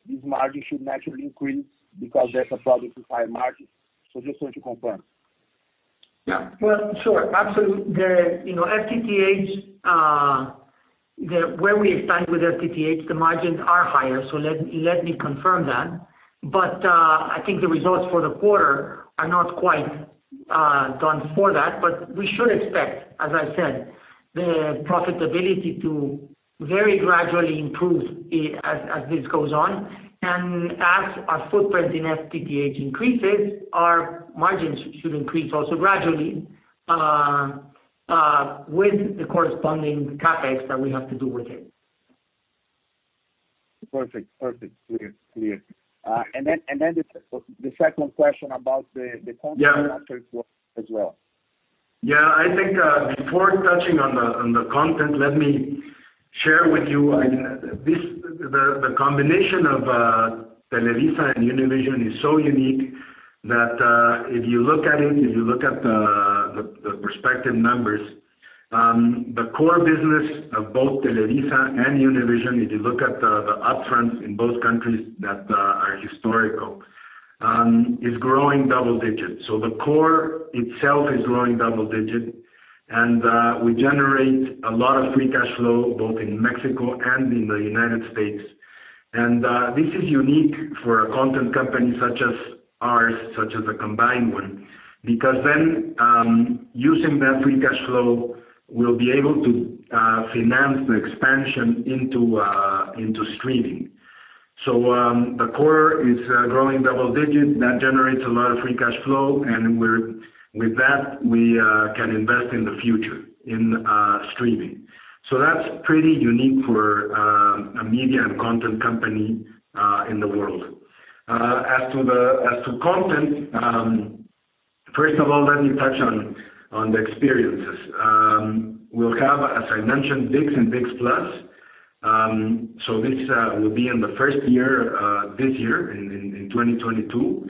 these margins should naturally increase because that's a product with high margins. Just want to confirm. Yeah. Well, sure. Absolutely. The FTTH where we expand with FTTH, the margins are higher. Let me confirm that. I think the results for the quarter are not quite done for that. We should expect, as I said, the profitability to very gradually improve as this goes on. As our footprint in FTTH increases, our margins should increase also gradually with the corresponding CapEx that we have to do with it. Perfect. Clear. The second question about the content. Yeah. As well. I think before touching on the content, let me share with you this, the combination of Televisa and Univision is so unique that if you look at it, if you look at the prospective numbers, the core business of both Televisa and Univision, if you look at the upfronts in both countries that are historical is growing double digits. The core itself is growing double digit and we generate a lot of free cash flow both in Mexico and in the United States. This is unique for a content company such as ours, such as a combined one, because then using that free cash flow, we'll be able to finance the expansion into streaming. The core is growing double digit. That generates a lot of free cash flow, and with that we can invest in the future in streaming. That's pretty unique for a media and content company in the world. As to content, first of all, let me touch on the experiences. We'll have, as I mentioned, ViX and ViX+. This will be in the first year, this year in 2022.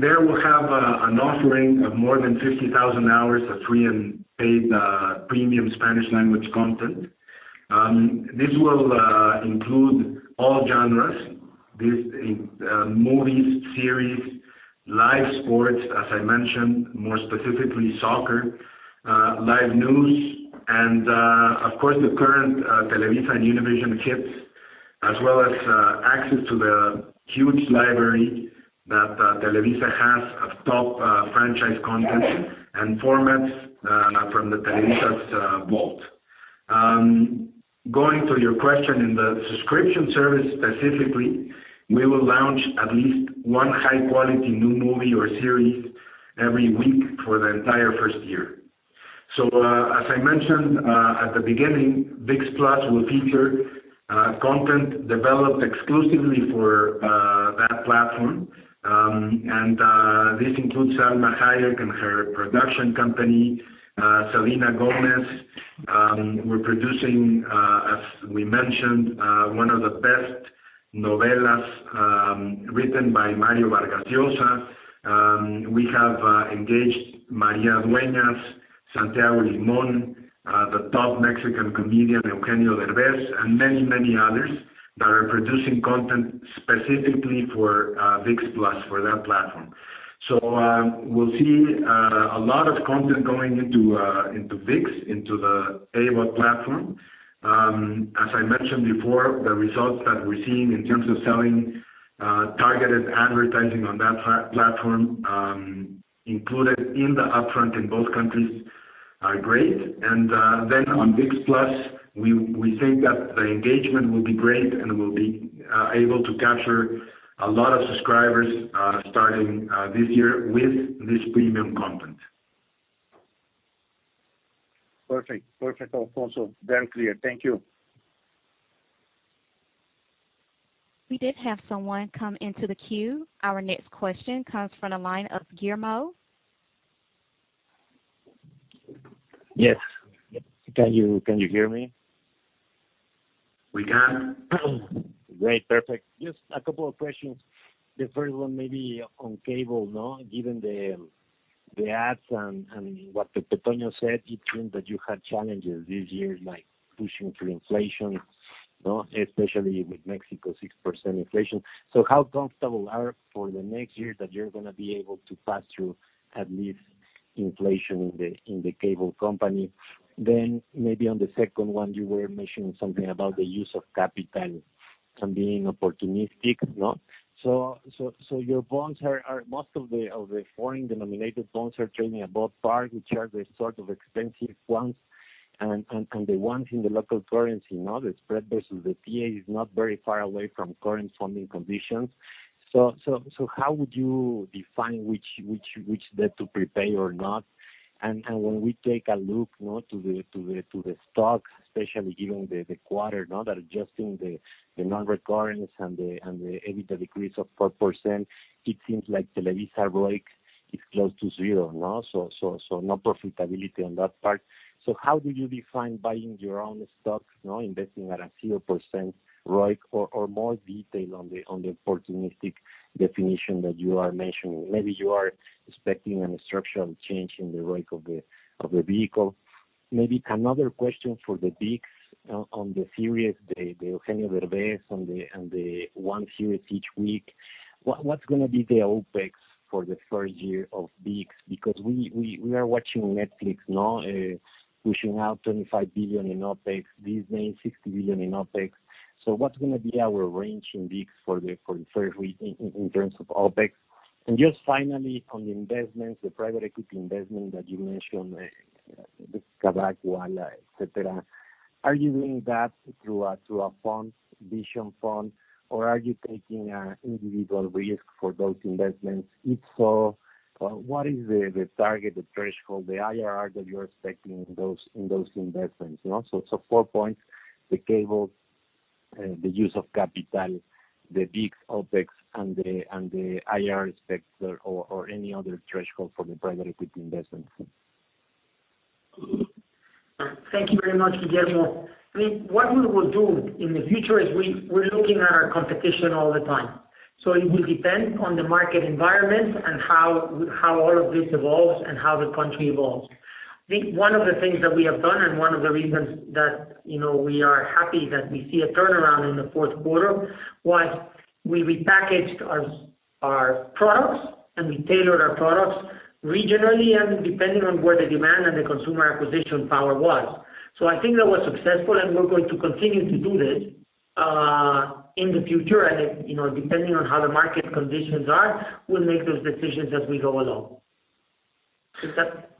There we'll have an offering of more than 50,000 hours of free and paid premium Spanish language content. This will include all genres. This, movies, series, live sports, as I mentioned, more specifically soccer, live news and, of course, the current Televisa and Univision hits, as well as access to the huge library that Televisa has of top franchise content and formats from Televisa's vault. Going to your question, in the subscription service specifically, we will launch at least one high quality new movie or series every week for the entire first year. As I mentioned at the beginning, ViX+ will feature content developed exclusively for that platform. This includes Salma Hayek and her production company, Selena Gomez. We're producing, as we mentioned, one of the best novelas written by Mario Vargas Llosa. We have engaged María Dueñas, Santiago Limón, the top Mexican comedian, Eugenio Derbez, and many others that are producing content specifically for ViX+, for that platform. We'll see a lot of content going into ViX, into the AVOD platform. As I mentioned before, the results that we're seeing in terms of selling targeted advertising on that platform, included in the upfront in both countries are great. Then on ViX+, we think that the engagement will be great and we'll be able to capture a lot of subscribers starting this year with this premium content. Perfect. Perfect, Alfonso. Very clear. Thank you. We did have someone come into the queue. Our next question comes from the line of Guillermo. Yes. Can you hear me? We can. Great. Perfect. Just a couple of questions. The first one maybe on cable, no? Given the ads and what José Antonio said, it seems that you had challenges this year, like pushing through inflation, no? Especially with Mexico, 6% inflation. How comfortable are you for the next year that you're gonna be able to pass through at least inflation in the cable company? Maybe on the second one, you were mentioning something about the use of capital and being opportunistic, no? Your bonds, most of the foreign denominated bonds, are trading above par, which are the sort of expensive ones. The ones in the local currency, no, the spread versus the PA is not very far away from current funding conditions. How would you define which debt to prepay or not? When we take a look to the stock, especially given the quarter, no, that adjusting the non-recurrent and the EBITDA decrease of 4%, it seems like Televisa ROIC is close to zero, no? No profitability on that part. How do you define buying your own stock, no, investing at a 0% ROIC or more detail on the opportunistic definition that you are mentioning? Maybe you are expecting a structural change in the ROIC of the vehicle. Maybe another question for the ViX on the series, the Eugenio Derbez and the one series each week. What's gonna be the OpEx for the first year of ViX? Because we are watching Netflix pushing out $25 billion in OpEx. Disney, $60 billion in OpEx. What's gonna be our range in ViX for the first week in terms of OpEx? Just finally on the investments, the private equity investment that you mentioned, the Kavak, Ualá, et cetera, are you doing that through a fund, Vision Fund, or are you taking individual risk for those investments? If so, what is the target, the threshold, the IRR that you're expecting in those investments, you know? Four points, the cable and the use of capital, the big OpEx and the IRR specs or any other threshold for the private equity investment. Thank you very much, Guillermo. I mean, what we will do in the future is we're looking at our competition all the time. It will depend on the market environment and how all of this evolves and how the country evolves. I think one of the things that we have done, and one of the reasons that, you know, we are happy that we see a turnaround in the fourth quarter, was we repackaged our products and we tailored our products regionally and depending on where the demand and the consumer acquisition power was. I think that was successful, and we're going to continue to do this in the future. You know, depending on how the market conditions are, we'll make those decisions as we go along. Is that-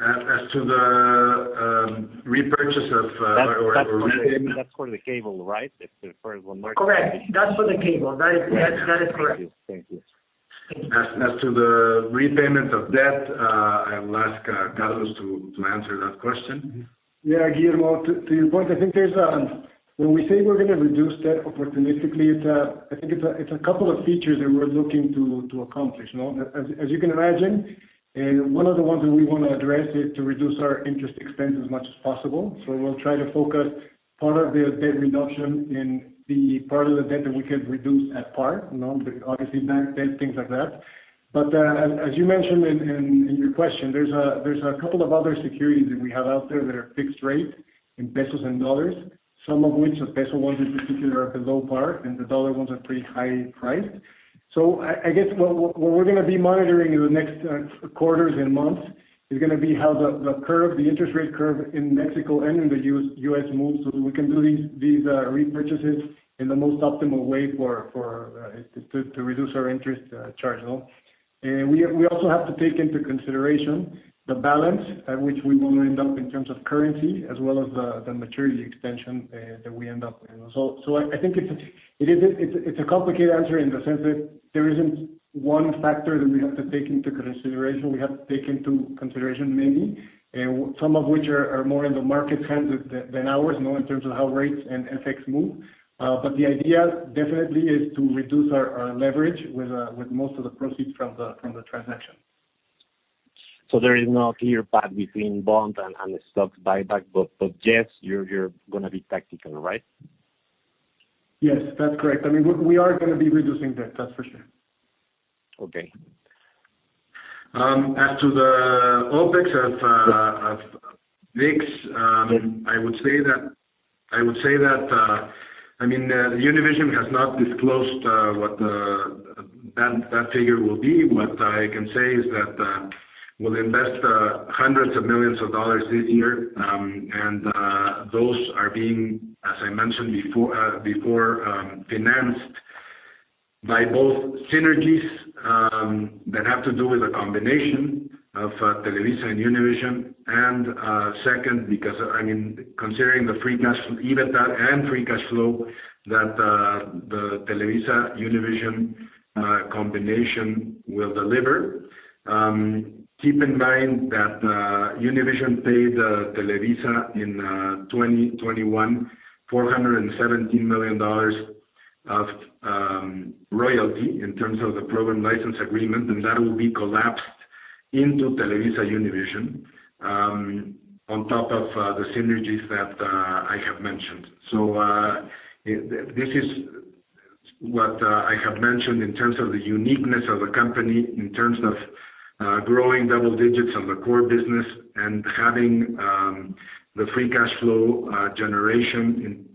As to the repurchase or repayment. That's for the cable, right? If the first one was- Correct. That's for the cable. That is correct. Thank you. Thank you. As to the repayment of debt, I will ask Carlos to answer that question. Yeah, Guillermo, to your point, I think there's when we say we're gonna reduce debt opportunistically, it's a couple of features that we're looking to accomplish, you know? As you can imagine, one of the ones that we wanna address is to reduce our interest expense as much as possible. We'll try to focus part of the debt reduction in the part of the debt that we could reduce at par, you know, obviously bank debt, things like that. As you mentioned in your question, there's a couple of other securities that we have out there that are fixed rate in pesos and dollars, some of which, the peso ones in particular, are at the low par, and the dollar ones are pretty high priced. I guess what we're gonna be monitoring in the next quarters and months is gonna be how the interest rate curve in Mexico and in the U.S. moves, so we can do these repurchases in the most optimal way to reduce our interest charge, no? We also have to take into consideration the balance at which we will end up in terms of currency, as well as the maturity extension that we end up with. I think it's a complicated answer in the sense that there isn't one factor that we have to take into consideration. We have to take into consideration many, some of which are more in the market's hands than ours, you know, in terms of how rates and FX move. The idea definitely is to reduce our leverage with most of the proceeds from the transaction. There is no clear path between bond and the stock buyback, but yes, you're gonna be tactical, right? Yes, that's correct. I mean, we are gonna be reducing debt, that's for sure. Okay. As to the OpEx of ViX, I would say that I mean Univision has not disclosed what that figure will be. What I can say is that we'll invest hundreds of millions of dollars this year. Those are being, as I mentioned before, financed by both synergies that have to do with a combination of Televisa and Univision. Second, because I mean considering the free cash, EBITDA and free cash flow that the TelevisaUnivision combination will deliver. Keep in mind that Univision paid Televisa in 2021, $417 million of royalty in terms of the program license agreement, and that will be collapsed into TelevisaUnivision, on top of the synergies that I have mentioned. This is what I have mentioned in terms of the uniqueness of the company, in terms of growing double digits on the core business and having the free cash flow generation in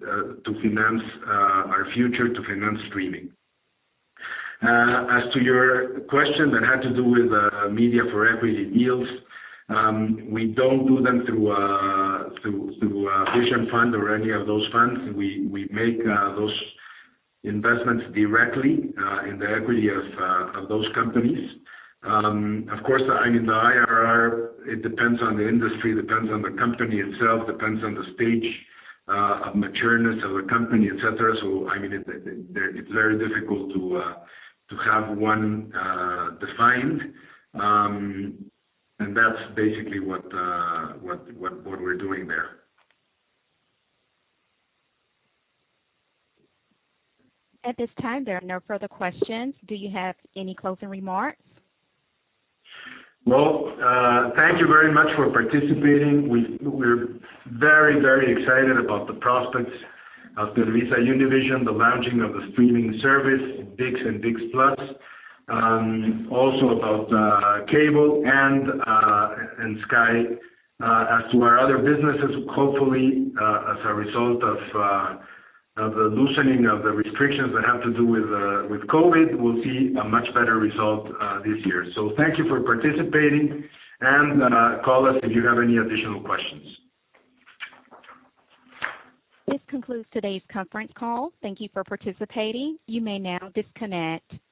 to finance our future, to finance streaming. As to your question that had to do with media for equity deals, we don't do them through Vision Fund or any of those funds. We make those investments directly in the equity of those companies. Of course, I mean, the IRR, it depends on the industry, depends on the company itself, depends on the stage of maturity of a company, et cetera. I mean, it's very difficult to have one defined. That's basically what we're doing there. At this time, there are no further questions. Do you have any closing remarks? Well, thank you very much for participating. We're very excited about the prospects of TelevisaUnivision, the launching of the streaming service, ViX and ViX+, also about Cable and Sky. As to our other businesses, hopefully, as a result of the loosening of the restrictions that have to do with COVID, we'll see a much better result this year. Thank you for participating, and call us if you have any additional questions. This concludes today's conference call. Thank you for participating. You may now disconnect.